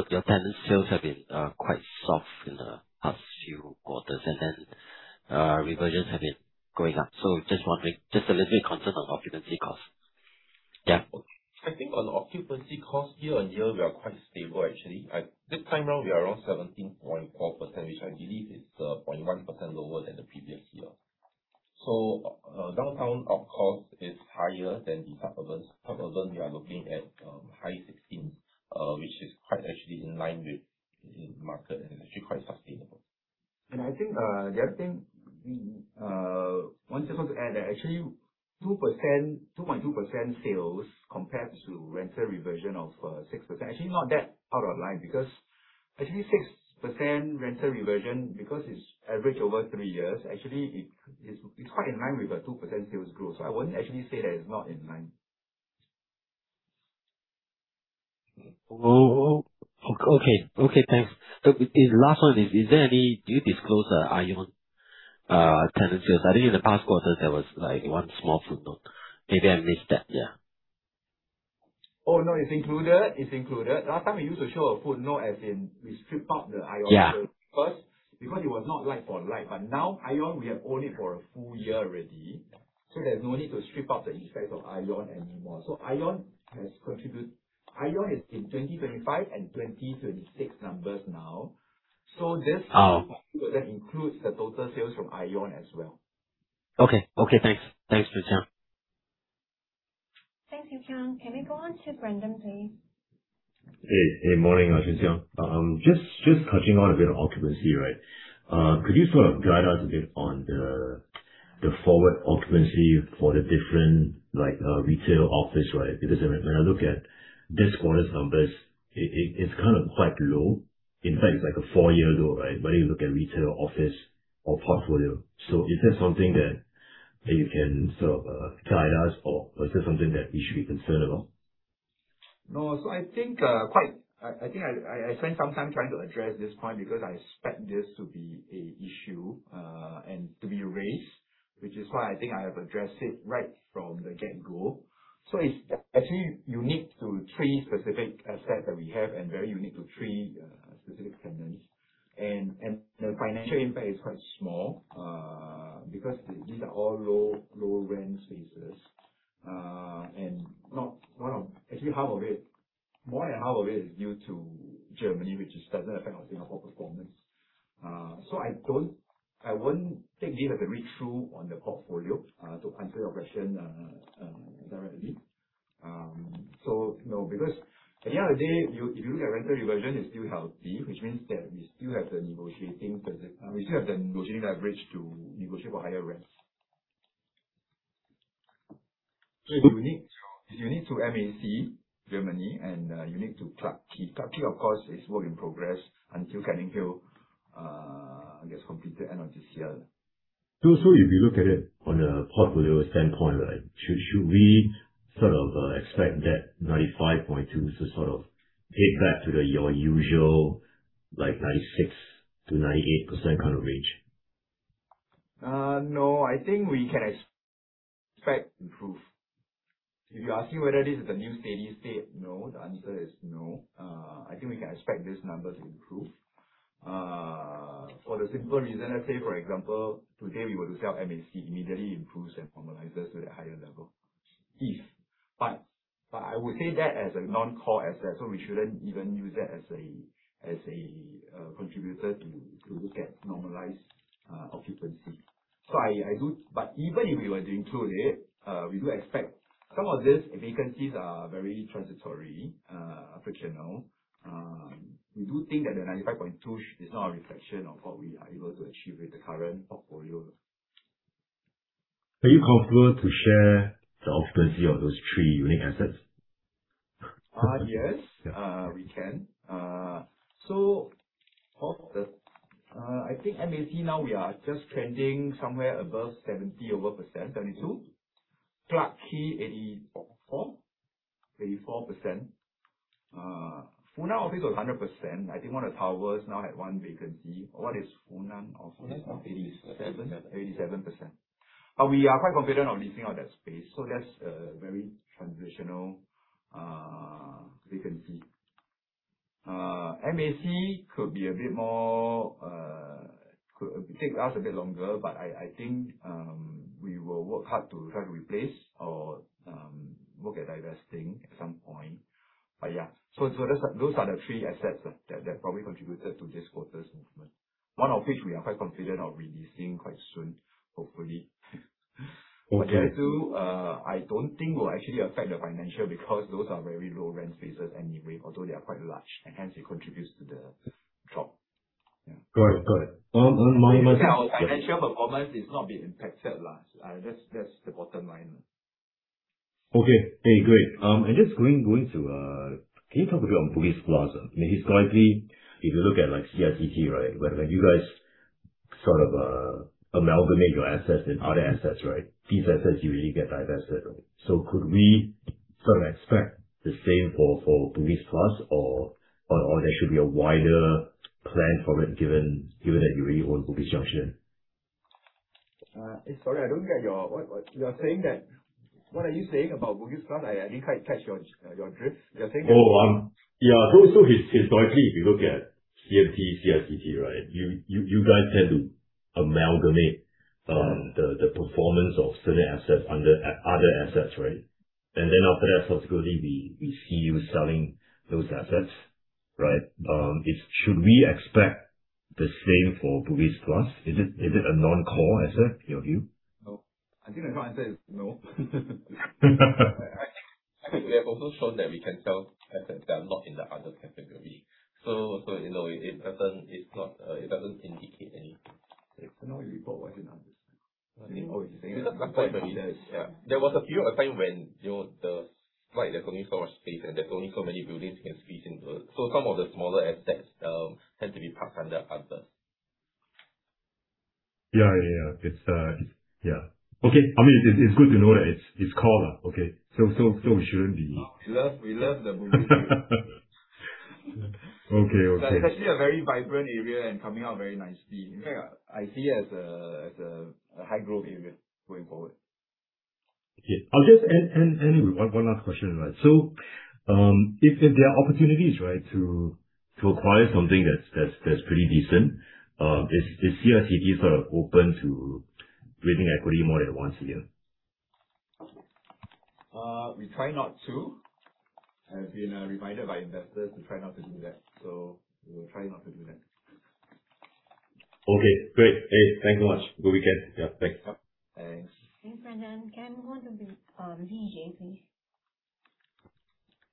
tenant sales have been quite soft in the past few quarters, reversions have been going up. Just wondering, a little bit concerned on occupancy cost. Yeah. I think on occupancy cost year-on-year, we are quite stable actually. This time around we are around 17.4%, which I believe is 0.1% lower than the previous year. Downtown op cost is higher than the suburban. Suburban, we are looking at high sixteens, which is quite actually in line with market and is actually quite sustainable. I think the other thing we wanted to also add that actually 2.2% sales compared to rental reversion of 6%, actually not that out of line because it's average over three years, actually it's quite in line with a 2% sales growth. I wouldn't actually say that it's not in line. Okay. Thanks. The last one is, do you disclose ION tenant sales? I think in the past quarters there was one small footnote. Maybe I missed that. Yeah. no, it's included. Last time we used to show a footnote, as in we stripped out the ION Orchard- Yeah -sales first because it was not like for like. Now ION we have owned it for a full year already. There's no need to strip out the effect of ION anymore. ION has contributed. ION is in 2025 and 2026 numbers now. this- Oh that includes the total sales from ION as well. Okay. Thanks, Choon Siang. Thanks, Li Jia. Can we go on to Brandon, please? Hey. Morning, Choon Siang. Just touching on a bit of occupancy. Could you sort of guide us a bit on the forward occupancy for the different retail office? When I look at this quarter's numbers, it is kind of quite low. In fact, it is like a four-year low when you look at retail office or portfolio. Is this something that you can sort of guide us or is this something that we should be concerned about? No. I think I spent some time trying to address this point. I expect this to be an issue, and to be raised, which is why I think I have addressed it right from the get go. It is actually unique to three specific assets that we have and very unique to three specific tenants. The financial impact is quite small, these are all low rent spaces. Actually, more than half of it is due to Germany, which does not affect our Singapore performance. I will not take this as a read-through on the portfolio, to answer your question directly. At the end of the day, if you look at rental reversion, it is still healthy, which means that we still have the negotiating leverage to negotiate for higher rents. It is unique to MAC Germany and unique to Clarke Quay. Clarke Quay, of course, is work in progress until Canninghill gets completed end of this year. If you look at it on a portfolio standpoint, should we sort of expect that 95.2% to sort of get back to your usual 96%-98% kind of range? No, I think we can expect improve. If you ask me whether this is the new steady state, no. The answer is no. I think we can expect this number to improve. For the simple reason, let's say for example, today we were to sell MAC, immediately improves and normalizes to that higher level. I would say that as a non-core asset, we shouldn't even use that as a contributor to look at normalized occupancy. Even if we were to include it, we do expect some of these vacancies are very transitory, frictional. We do think that the 95.2% is not a reflection of what we are able to achieve with the current portfolio. Are you comfortable to share the occupancy of those three unique assets? Yes. We can. I think MAC now we are just trending somewhere above 70%, 72%. Clarke Quay, 84%. Funan Office was 100%. I think one of the Towers now had one vacancy. What is Funan Office now? 87%. We are quite confident of leasing out that space. That's a very transitional vacancy. MAC could take us a bit longer, I think we will work hard to try to replace or work at divesting at some point. Yeah. Those are the three assets that probably contributed to this quarter's movement. One of which we are quite confident of re-leasing quite soon, hopefully. Okay. The two, I don't think will actually affect the financial because those are very low rent spaces anyway, although they are quite large and hence it contributes to the drop. Yeah. Got it. One more. Our financial performance is not being impacted. That's the bottom line. Okay. Great. Can you talk a bit on Bugis+? Historically, if you look at CICT, when you guys sort of amalgamate your assets and other assets. These assets usually get divested. Could we sort of expect the same for Bugis+ or there should be a wider plan for it given that you already own Bugis Junction? Sorry, I don't get your. What are you saying about Bugis+? I didn't quite catch your drift. Yeah. Historically, if you look at CMT, CICT, you guys tend to amalgamate the performance of certain assets under Other Assets, right? Then after that, subsequently we see you selling those assets. Should we expect the same for Bugis+? Is it a non-core asset in your view? No. I think the short answer is no. I think we have also shown that we can sell assets that are not in the Other category. It doesn't indicate anything. Now we report what is in Others. Nothing. Oh, he's saying- There was a period of time when there's only so much space, and there's only so many buildings you can squeeze into. Some of the smaller assets had to be parked under Others. Yeah. Okay. It's good to know that it's core. Okay. We shouldn't be. We love the Bugis area. Okay. It's actually a very vibrant area and coming out very nicely. In fact, I see it as a high-growth area going forward. Okay. I'll just end with one last question. If there are opportunities to acquire something that's pretty decent, is CICT sort of open to creating equity more than once a year? We try not to. I've been reminded by investors to try not to do that, so we'll try not to do that. Okay, great. Hey, thanks so much. Good weekend. Yeah, thanks. Thanks. Thanks, Brandon. Can we move on to Vijay, please?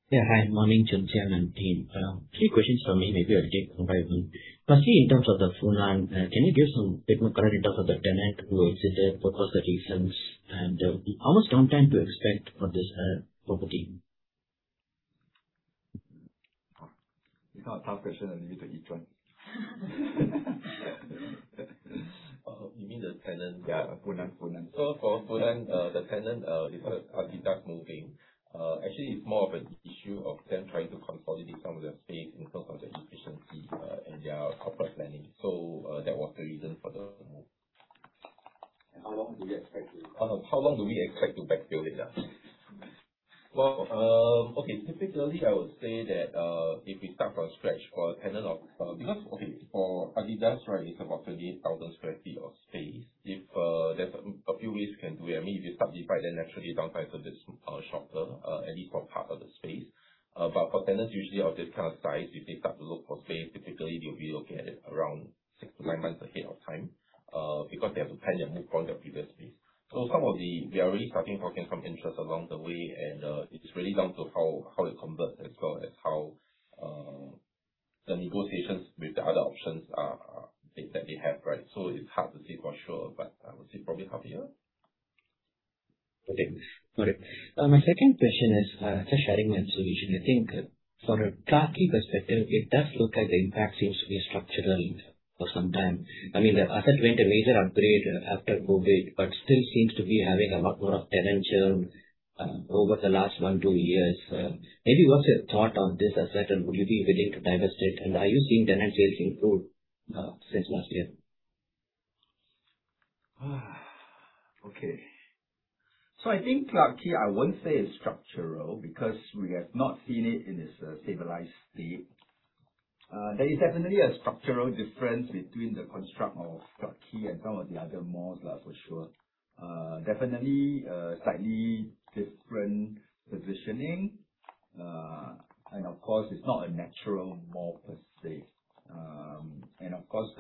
Yeah. Hi, morning, Choon Siang and team. Three questions from me, maybe I'll take them one by one. Firstly, in terms of the Funan, can you give some bit more color in terms of the tenant who has exited, what was the reasons, and how much downtime to expect for this property? It's not a tough question. I'll leave it to Yi Zhuan. You mean the tenant? Yeah. Funan. For Funan, the tenant, because Adidas moving, actually it's more of an issue of them trying to consolidate some of their space in terms of their efficiency, and their corporate planning. That was the reason for the move. How long do you expect? How long do we expect to backfill it? Well, okay. Typically, I would say that, if we start from scratch for a tenant. Because, okay, for Adidas, it's about 28,000 sq ft of space. There's a few ways we can do it. Maybe if we subdivide, then naturally the downtime is a bit shorter, at least for part of the space. For tenants usually of this kind of size, if they start to look for space, typically they'll be looking at it around 6-9 months ahead of time, because they have to plan their move from their previous space. We are already starting to get some interest along the way, and it is really down to how they convert as well as how the negotiations with the other options that they have. It's hard to say for sure, but I would say probably half a year. Okay, got it. My second question is for sharing and solution, I think from a Clarke Quay perspective, it does look like the impact seems to be structural for some time. The asset went a major upgrade after COVID, but still seems to be having a lot more of tenant churn over the last one, two years. Maybe what's your thought on this asset, and would you be willing to divest it? Are you seeing tenant churn improve, since last year? Okay. I think Clarke Quay, I won't say is structural because we have not seen it in its stabilized state. There is definitely a structural difference between the construct of Clarke Quay and some of the other malls, for sure. Definitely slightly different positioning. Of course, it's not a natural mall per se. Of course,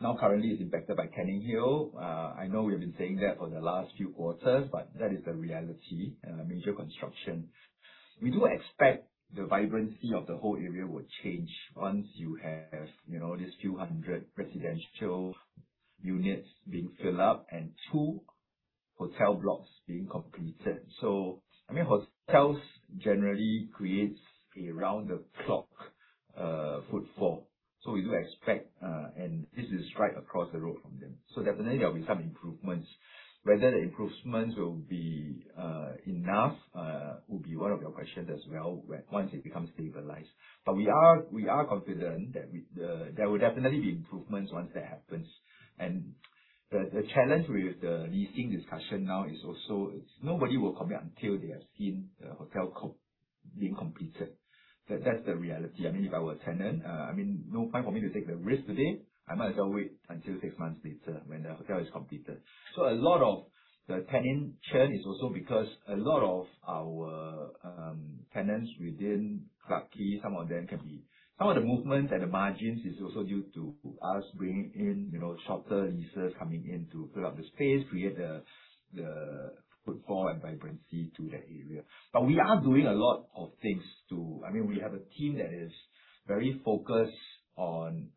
now currently it's impacted by Canninghill. I know we have been saying that for the last few quarters, but that is the reality, major construction. We do expect the vibrancy of the whole area will change once you have these few hundred residential units being filled up and two hotel blocks being completed. Hotels generally create around the clock footfall. We do expect, this is right across the road from them, definitely there will be some improvements. Whether the improvements will be enough will be one of your questions as well, once it becomes stabilized. We are confident that there will definitely be improvements once that happens. The challenge with the leasing discussion now is also, nobody will commit until they have seen the hotel being completed. That's the reality. If I were a tenant, no point for me to take the risk today. I might as well wait until six months later when the hotel is completed. A lot of the tenant churn is also because a lot of our tenants within Clarke Quay, some of the movements at the margins is also due to us bringing in shorter leases coming in to fill up the space, create the footfall and vibrancy to that area. We are doing a lot of things. We have a team that is very focused on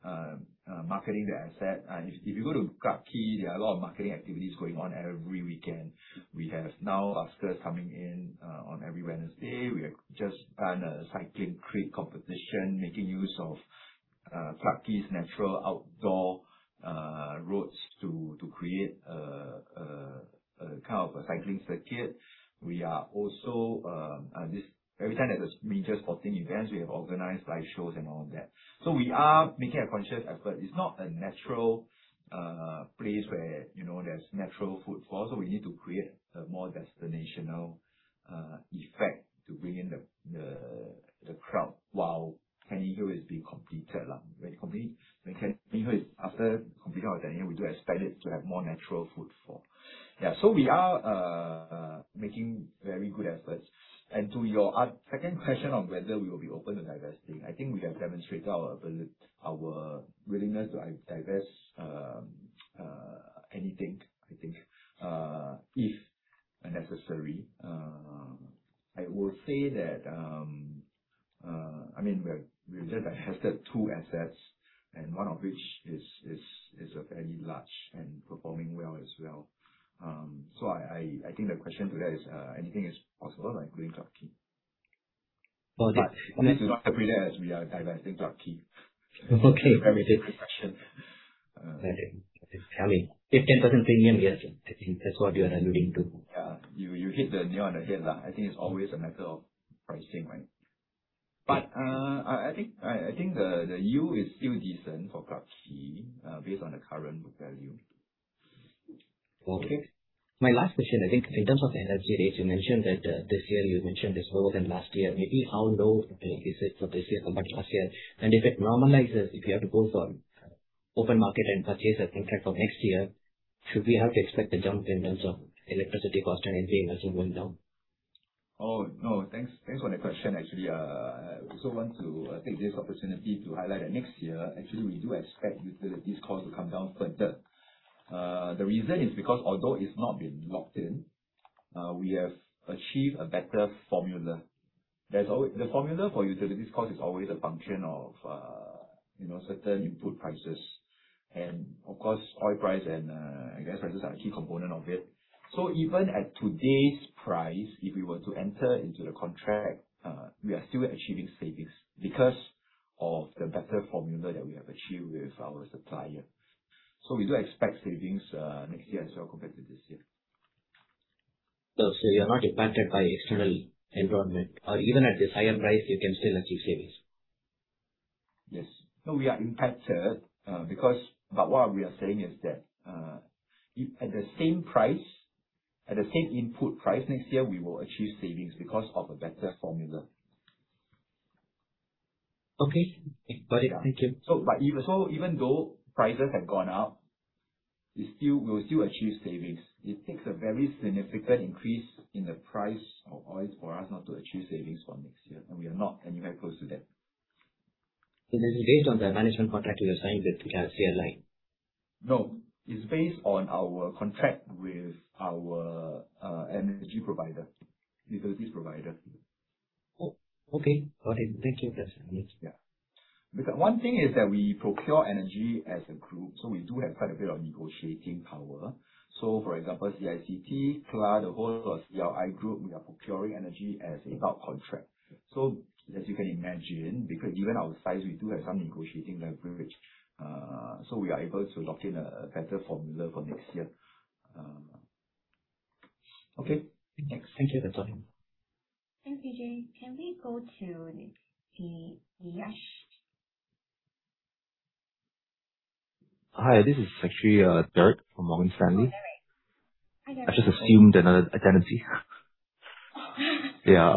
marketing the asset, if you go to Clarke Quay, there are a lot of marketing activities going on every weekend. We have now coming in on every Wednesday. We have just done a cycling crate competition, making use of Clarke Quay's natural outdoor roads to create a kind of a cycling circuit. Every time there's major sporting events, we have organized live shows and all that. We are making a conscious effort. It's not a natural place where there's natural footfall, we need to create a more destinational effect to bring in the crowd while Canninghill is being completed. After completing Canninghill, we do expect it to have more natural footfall. We are making very good efforts. To your second question on whether we will be open to divesting, we have demonstrated our willingness to divest anything, I think, if necessary. We've just divested two assets, one of which is fairly large and performing well as well. I think the question to that is, anything is possible, including Clarke Quay. Okay. please do not interpret that as we are divesting Clarke Quay. Okay. Very good question. Got it. If 10% premium, yes. That's what you are alluding to. Yeah. You hit the nail on the head. I think it's always a matter of pricing, right? I think the yield is still decent for Paragon based on the current value. Okay. My last question, I think in terms of energy rates, you mentioned that this year it's lower than last year. Maybe how low is it for this year compared to last year? If it normalizes, if you have to go for open market and purchase a contract for next year, should we have to expect a jump in terms of electricity cost and SP also going down? Oh, no. Thanks for that question. Actually, I also want to take this opportunity to highlight that next year, actually, we do expect utilities cost to come down further. The reason is because although it's not been locked in, we have achieved a better formula. The formula for utilities cost is always a function of certain input prices. Of course, oil price and gas prices are a key component of it. Even at today's price, if we were to enter into the contract, we are still achieving savings because of the better formula that we have achieved with our supplier. We do expect savings next year as well compared to this year. You're not impacted by external environment or even at the higher price, you can still achieve savings. Yes. No, we are impacted, but what we are saying is that at the same input price next year we will achieve savings because of a better formula. Okay. Got it. Thank you. Even though prices have gone up, we'll still achieve savings. It takes a very significant increase in the price of oil for us not to achieve savings for next year, and we are not anywhere close to that. This is based on the management contract you have signed with CLI? No, it's based on our contract with our energy provider, utilities provider. Oh, okay. Got it. Thank you. That's clear. Yeah. One thing is that we procure energy as a group, we do have quite a bit of negotiating power. For example, CICT plus the whole of CLI group, we are procuring energy as a bulk contract. As you can imagine, because given our size, we do have some negotiating leverage, we are able to lock in a better formula for next year. Okay. Thanks, Choon Siang. That's all. Thanks, Vijay. Can we go to the. Hi, this is actually Derek from Morgan Stanley. Oh, Derek. Hi, Derek. I just assumed another identity. Yeah,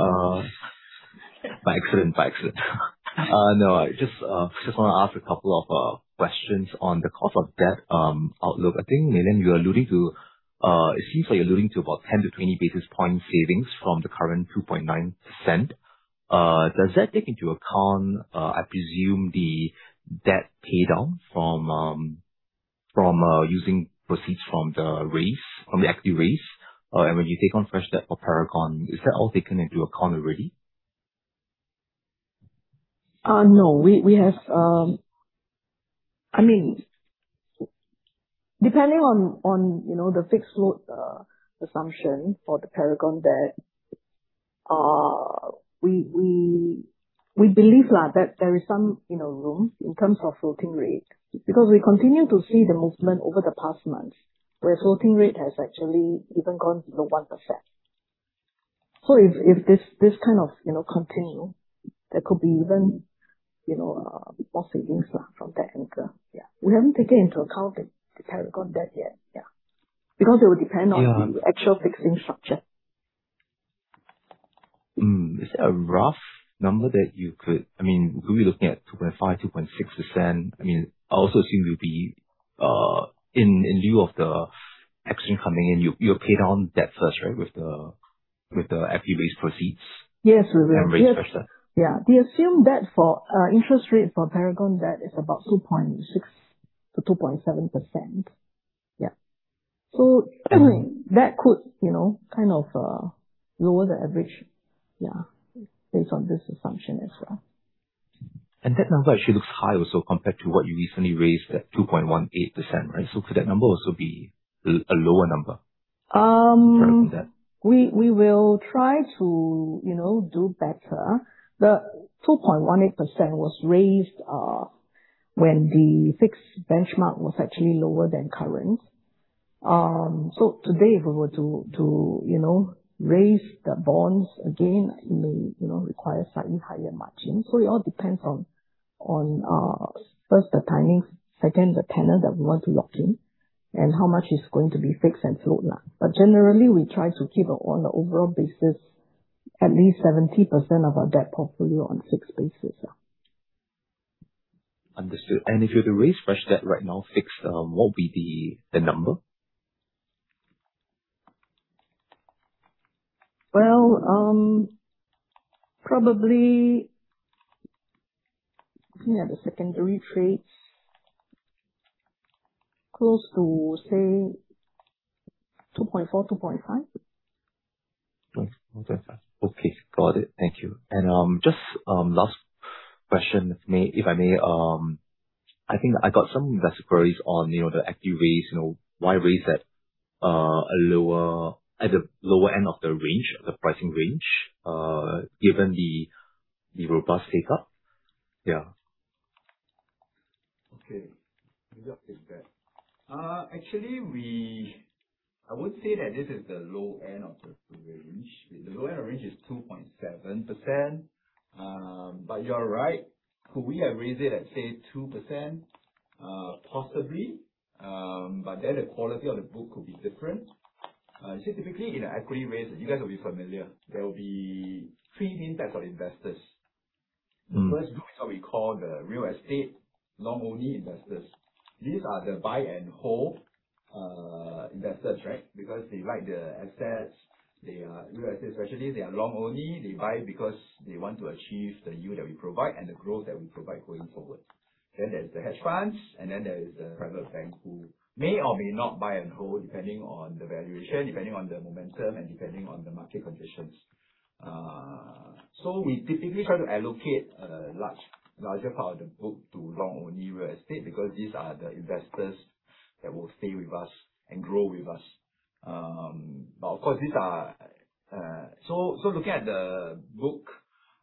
by accident. No, just want to ask a couple of questions on the cost of debt outlook. I think, Mei Lian, it seems like you're alluding to about 10 to 20 basis points savings from the current 2.9%. Does that take into account, I presume, the debt pay down from using proceeds from the equity raise and when you take on fresh debt for Paragon? Is that all taken into account already? No. Depending on the fixed load assumption for the Paragon debt, we believe that there is some room in terms of floating rate, because we continue to see the movement over the past month, where floating rate has actually even gone below 1%. If this continue, there could be even more savings from that anchor. Yeah. We haven't taken into account the Paragon debt yet. Yeah. It will depend on the actual fixing structure. Is there a rough number that you could? Are we looking at 2.5%, 2.6%? I also assume you will be, in lieu of the action coming in, you will pay down debt first, right, with the equity raise proceeds? Yes, we will. Raise fresh debt. We assume that interest rate for Paragon debt is about 2.6%-2.7%. That could lower the average based on this assumption as well. That number actually looks high also compared to what you recently raised at 2.18%, right? Could that number also be a lower number for that? We will try to do better. The 2.18% was raised when the fixed benchmark was actually lower than current. Today, if we were to raise the bonds again, it may require slightly higher margin. It all depends on, first, the timing, second, the tenor that we want to lock in, and how much is going to be fixed and float. Generally, we try to keep on the overall basis, at least 70% of our debt portfolio on fixed basis. Understood. If you were to raise fresh debt right now, fixed, what would be the number? Well, probably, looking at the secondary trades, close to, say, 2.4%, 2.5%. 2.4%, 2.5%. Okay, got it. Thank you. Just last question, if I may. I got some investor queries on the equity raise. Why raise at the lower end of the pricing range given the robust take-up? Yeah. Okay. Let me just take that. Actually, I would say that this is the low end of the range. The low end of the range is 2.7%, you are right. Could we have raised it at, say, 2%? Possibly, the quality of the book could be different. Typically in an equity raise, you guys will be familiar. There will be three main types of investors. The first group are we call the real estate long-only investors. These are the buy and hold investors, because they like the assets. They are real estate specialists. They are long only. They buy because they want to achieve the yield that we provide and the growth that we provide going forward. There's the hedge funds, there is the private bank, who may or may not buy and hold, depending on the valuation, depending on the momentum, and depending on the market conditions. We typically try to allocate a larger part of the book to long-only real estate, because these are the investors that will stay with us and grow with us. Of course, looking at the book,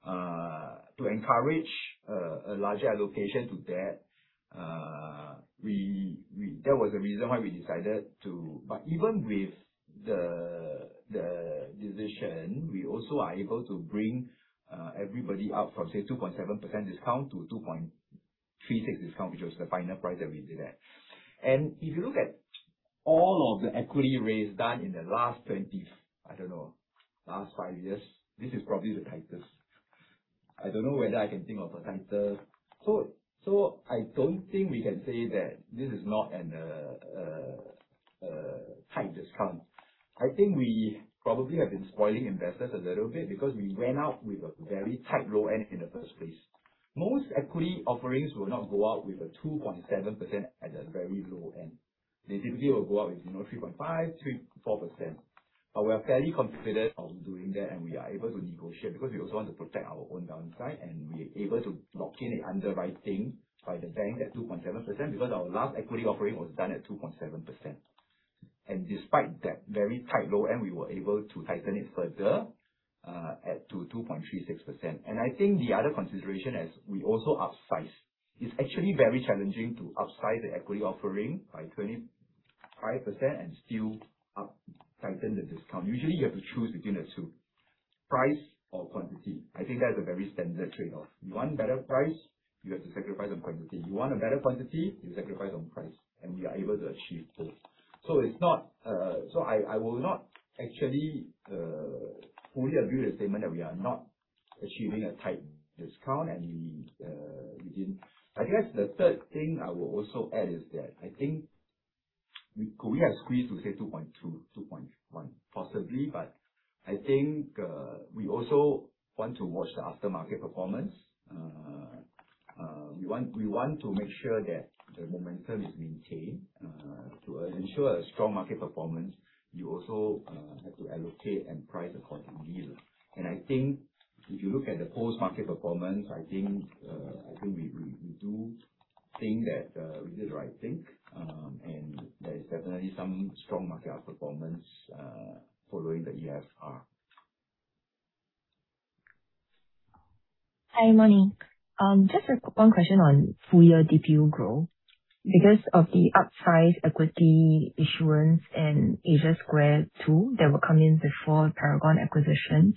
to encourage a larger allocation to that was the reason why we decided to. Even with the decision, we also are able to bring everybody up from, say, 2.7% discount to 2.36% discount, which was the final price that we did at. If you look at all of the equity raised done in the last 20, I don't know, last five years, this is probably the tightest. I don't know whether I can think of a tighter. I don't think we can say that this is not a tight discount. I think we probably have been spoiling investors a little bit, because we went out with a very tight low end in the first place. Most equity offerings will not go out with a 2.7% at the very low end. They typically will go out with 3.5%, 4%. We are fairly confident of doing that, we are able to negotiate, because we also want to protect our own downside, and we are able to lock in the underwriting by the bank at 2.7%, because our last equity offering was done at 2.7%. Despite that very tight low end, we were able to tighten it further to 2.36%. I think the other consideration as we also upsize, it is actually very challenging to upsize the equity offering by 25% and still tighten the discount. Usually, you have to choose between the two, price or quantity. I think that is a very standard trade-off. You want better price, you have to sacrifice on quantity. You want a better quantity, you sacrifice on price. We are able to achieve both. I will not actually fully agree with the statement that we are not achieving a tight discount and we didn't. I guess the third thing I will also add is that, I think, could we have squeezed to, say, 2.2.1? Possibly, I think we also want to watch the after market performance. We want to make sure that the momentum is maintained. To ensure a strong market performance, you also have to allocate and price accordingly. I think if you look at the post-market performance, I think we do think that we did the right thing, and there is definitely some strong market outperformance following the EFR. Hi, morning. Just one question on full year DPU growth. Because of the upsize equity issuance and Asia Square Two that will come in before Paragon acquisitions,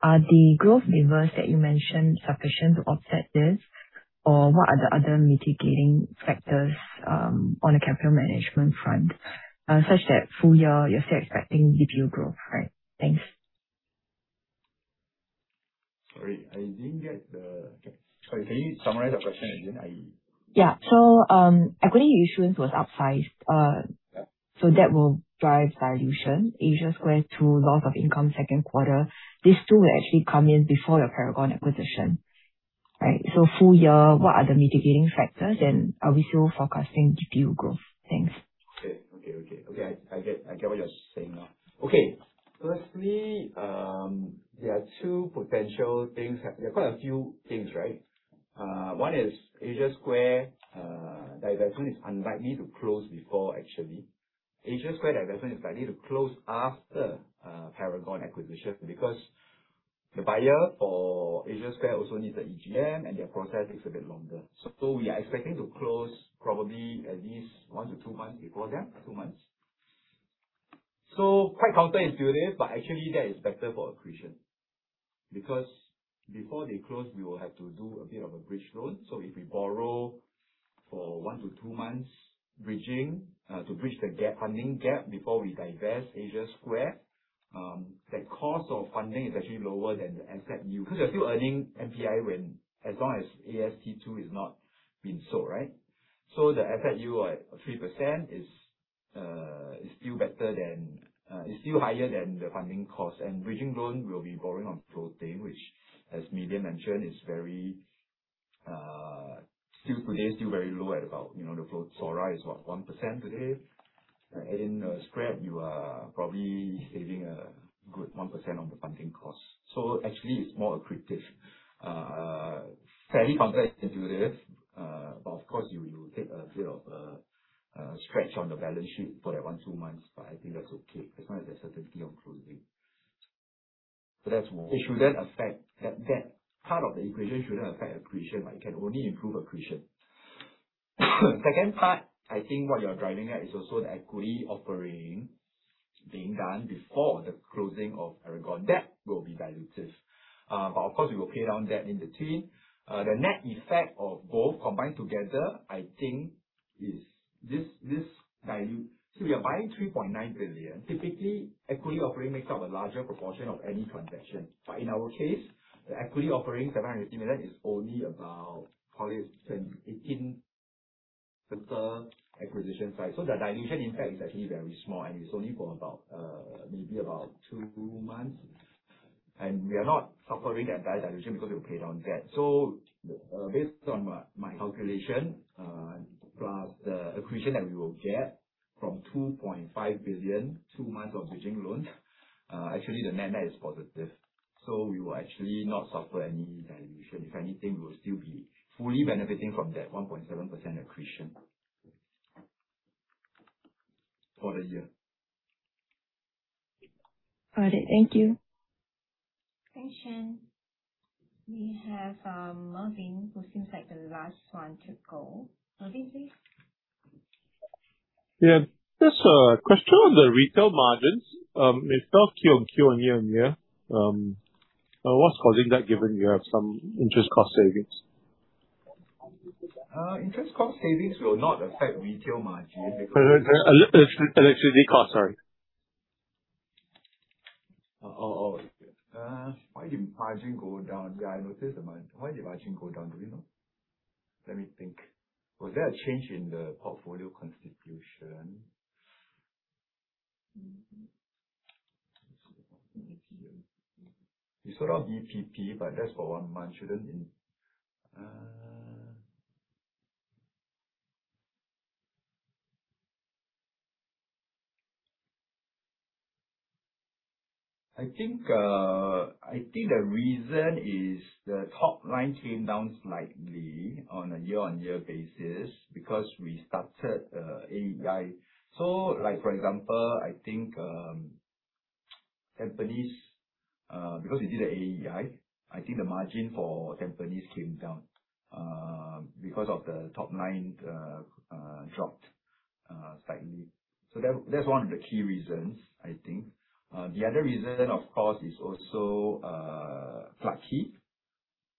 are the growth levers that you mentioned sufficient to offset this? What are the other mitigating factors on the capital management front, such that full year, you are still expecting DPU growth, right? Thanks. Sorry, can you summarize the question again? Yeah. Equity issuance was upsized. Yeah. That will drive dilution. Asia Square Tower 2 loss of income second quarter. These two will actually come in before your Paragon acquisition. Right? Full year, what are the mitigating factors, and are we still forecasting DPU growth? Thanks. I get what you're saying now. Firstly, there are two potential things. There are quite a few things. One is Asia Square divestment is unlikely to close before actually. Asia Square divestment is likely to close after Paragon acquisition because the buyer for Asia Square also needs the EGM, and their process takes a bit longer. We are expecting to close probably at least one to two months before them. Two months. Quite counterintuitive, but actually that is better for accretion, because before they close, we will have to do a bit of a bridge loan. If we borrow for one to two months, bridging, to bridge the funding gap before we divest Asia Square, that cost of funding is actually lower than the asset value, because you're still earning NPI as long as AST2 has not been sold, right? The asset value at 3% is still higher than the funding cost. Bridging loan, we will be borrowing on floating, which as Mei Lian mentioned, today is still very low at about, the SORA is what, 1% today? In a spread, you are probably saving a good 1% on the funding cost. Actually, it is more accretive. Fairly counterintuitive, but of course, you take a bit of a stretch on the balance sheet for that one, two months, but I think that is okay, as long as there is certainty on closing. That is more. It shouldn't affect-- That part of the equation shouldn't affect accretion, right? It can only improve accretion. Second part, I think what you are driving at is also the equity offering being done before the closing of Paragon. That will be dilutive. But of course, we will pay down debt in between. The net effect of both combined together, I think, is this dilute. See, we are buying 3.9 billion. Typically, equity offering makes up a larger proportion of any transaction. But in our case, the equity offering, 750 million, is only about, call it, 18% acquisition size. The dilution impact is actually very small, and it's only for about maybe about two months. We are not suffering that dire dilution because we will pay down debt. Based on my calculation, plus the accretion that we will get from 2.5 billion, two months of bridging loan, actually, the net is positive. We will actually not suffer any dilution. If anything, we will still be fully benefiting from that 1.7% accretion for a year. Got it. Thank you. Thanks, [Shen]. We have Mervin, who seems like the last one to go. Mervin, please. Yeah. Just a question on the retail margins. They fell Q-on-Q and year on year. What's causing that given you have some interest cost savings? Interest cost savings will not affect retail margin because- Electricity cost, sorry. Oh. Why did margin go down? Yeah, I noticed the margin. Why did margin go down? Do we know? Let me think. Was there a change in the portfolio constitution? We sold off BPP, but that's for one month, shouldn't it. I think the reason is the top line came down slightly on a year-on-year basis because we started AEI. For example, I think, Tampines, because we did the AEI, I think the margin for Tampines came down, because of the top line dropped slightly. That's one of the key reasons, I think. The other reason, of course, is also Clarke Quay.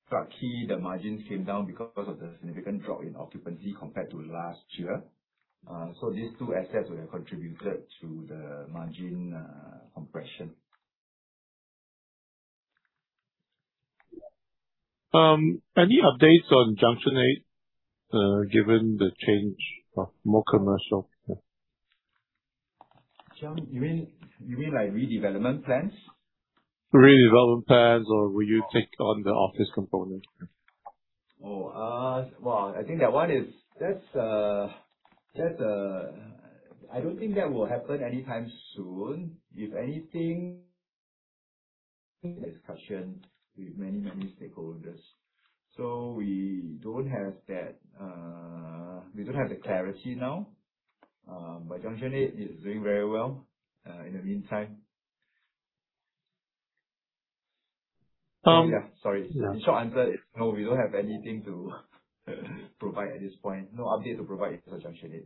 Clarke Quay, the margins came down because of the significant drop in occupancy compared to last year. These two assets would have contributed to the margin compression. Any updates on Junction 8, given the change of more commercial? You mean, like, redevelopment plans? Redevelopment plans or will you take on the office component? Oh. Well, I think I don't think that will happen anytime soon. If anything, discussion with many stakeholders. We don't have the clarity now, but Junction 8 is doing very well in the meantime. Yeah, sorry. The short answer is no, we don't have anything to provide at this point. No update to provide with Junction 8.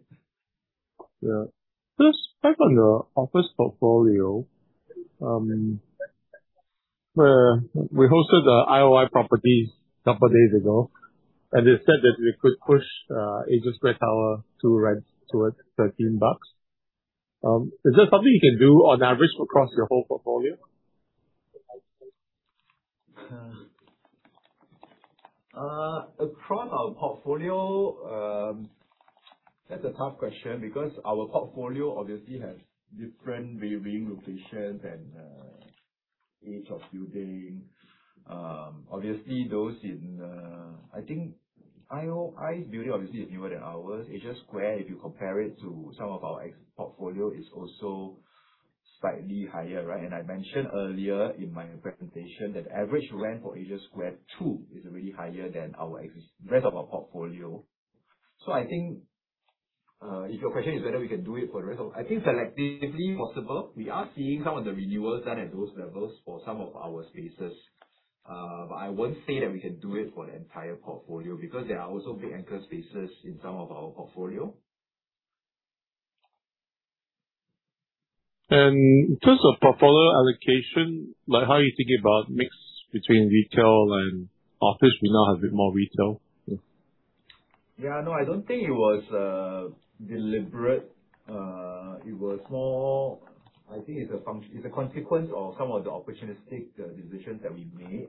Yeah. Just back on the office portfolio, we hosted IOI Properties a couple days ago, and they said that we could push Asia Square Tower 2 rent towards 13 bucks. Is that something you can do on average across your whole portfolio? Across our portfolio, that's a tough question because our portfolio obviously has different varying locations and age of building. Obviously, those in, I think IOI's building obviously is newer than ours. Asia Square, if you compare it to some of our portfolio, is also slightly higher, right? I mentioned earlier in my presentation that average rent for Asia Square Tower 2 is already higher than rent of our portfolio. I think if your question is whether we can do it for the rest of, I think selectively possible. We are seeing some of the renewals done at those levels for some of our spaces. I won't say that we can do it for the entire portfolio because there are also big anchor spaces in some of our portfolio. In terms of portfolio allocation, like how are you thinking about mix between retail and office? We now have a bit more retail. Yeah, no, I don't think it was deliberate. It was more, I think it's a consequence of some of the opportunistic decisions that we made.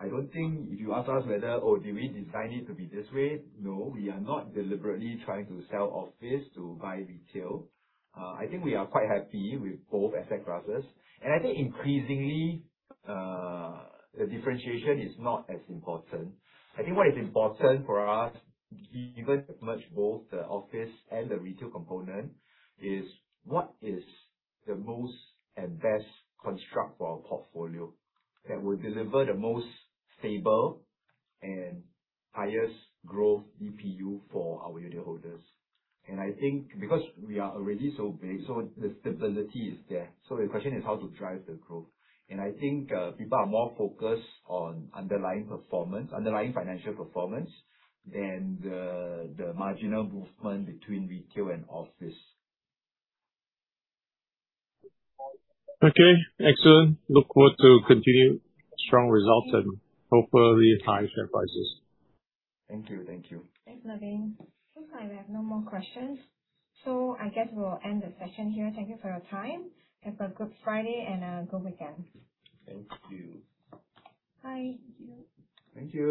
I don't think if you ask us whether, oh, do we design it to be this way? No, we are not deliberately trying to sell office to buy retail. I think we are quite happy with both asset classes. I think increasingly, the differentiation is not as important. I think what is important for us, given as much both the office and the retail component, is what is the most and best construct for our portfolio that will deliver the most stable and highest growth DPU for our unitholders. I think because we are already so big, so the stability is there. The question is how to drive the growth. I think people are more focused on underlying financial performance than the marginal movement between retail and office. Okay, excellent. Look forward to continued strong results and hopefully high share prices. Thank you. Thanks, Mervin. Looks like we have no more questions, I guess we'll end the session here. Thank you for your time. Have a good Friday and a good weekend. Thank you. Bye. Thank you.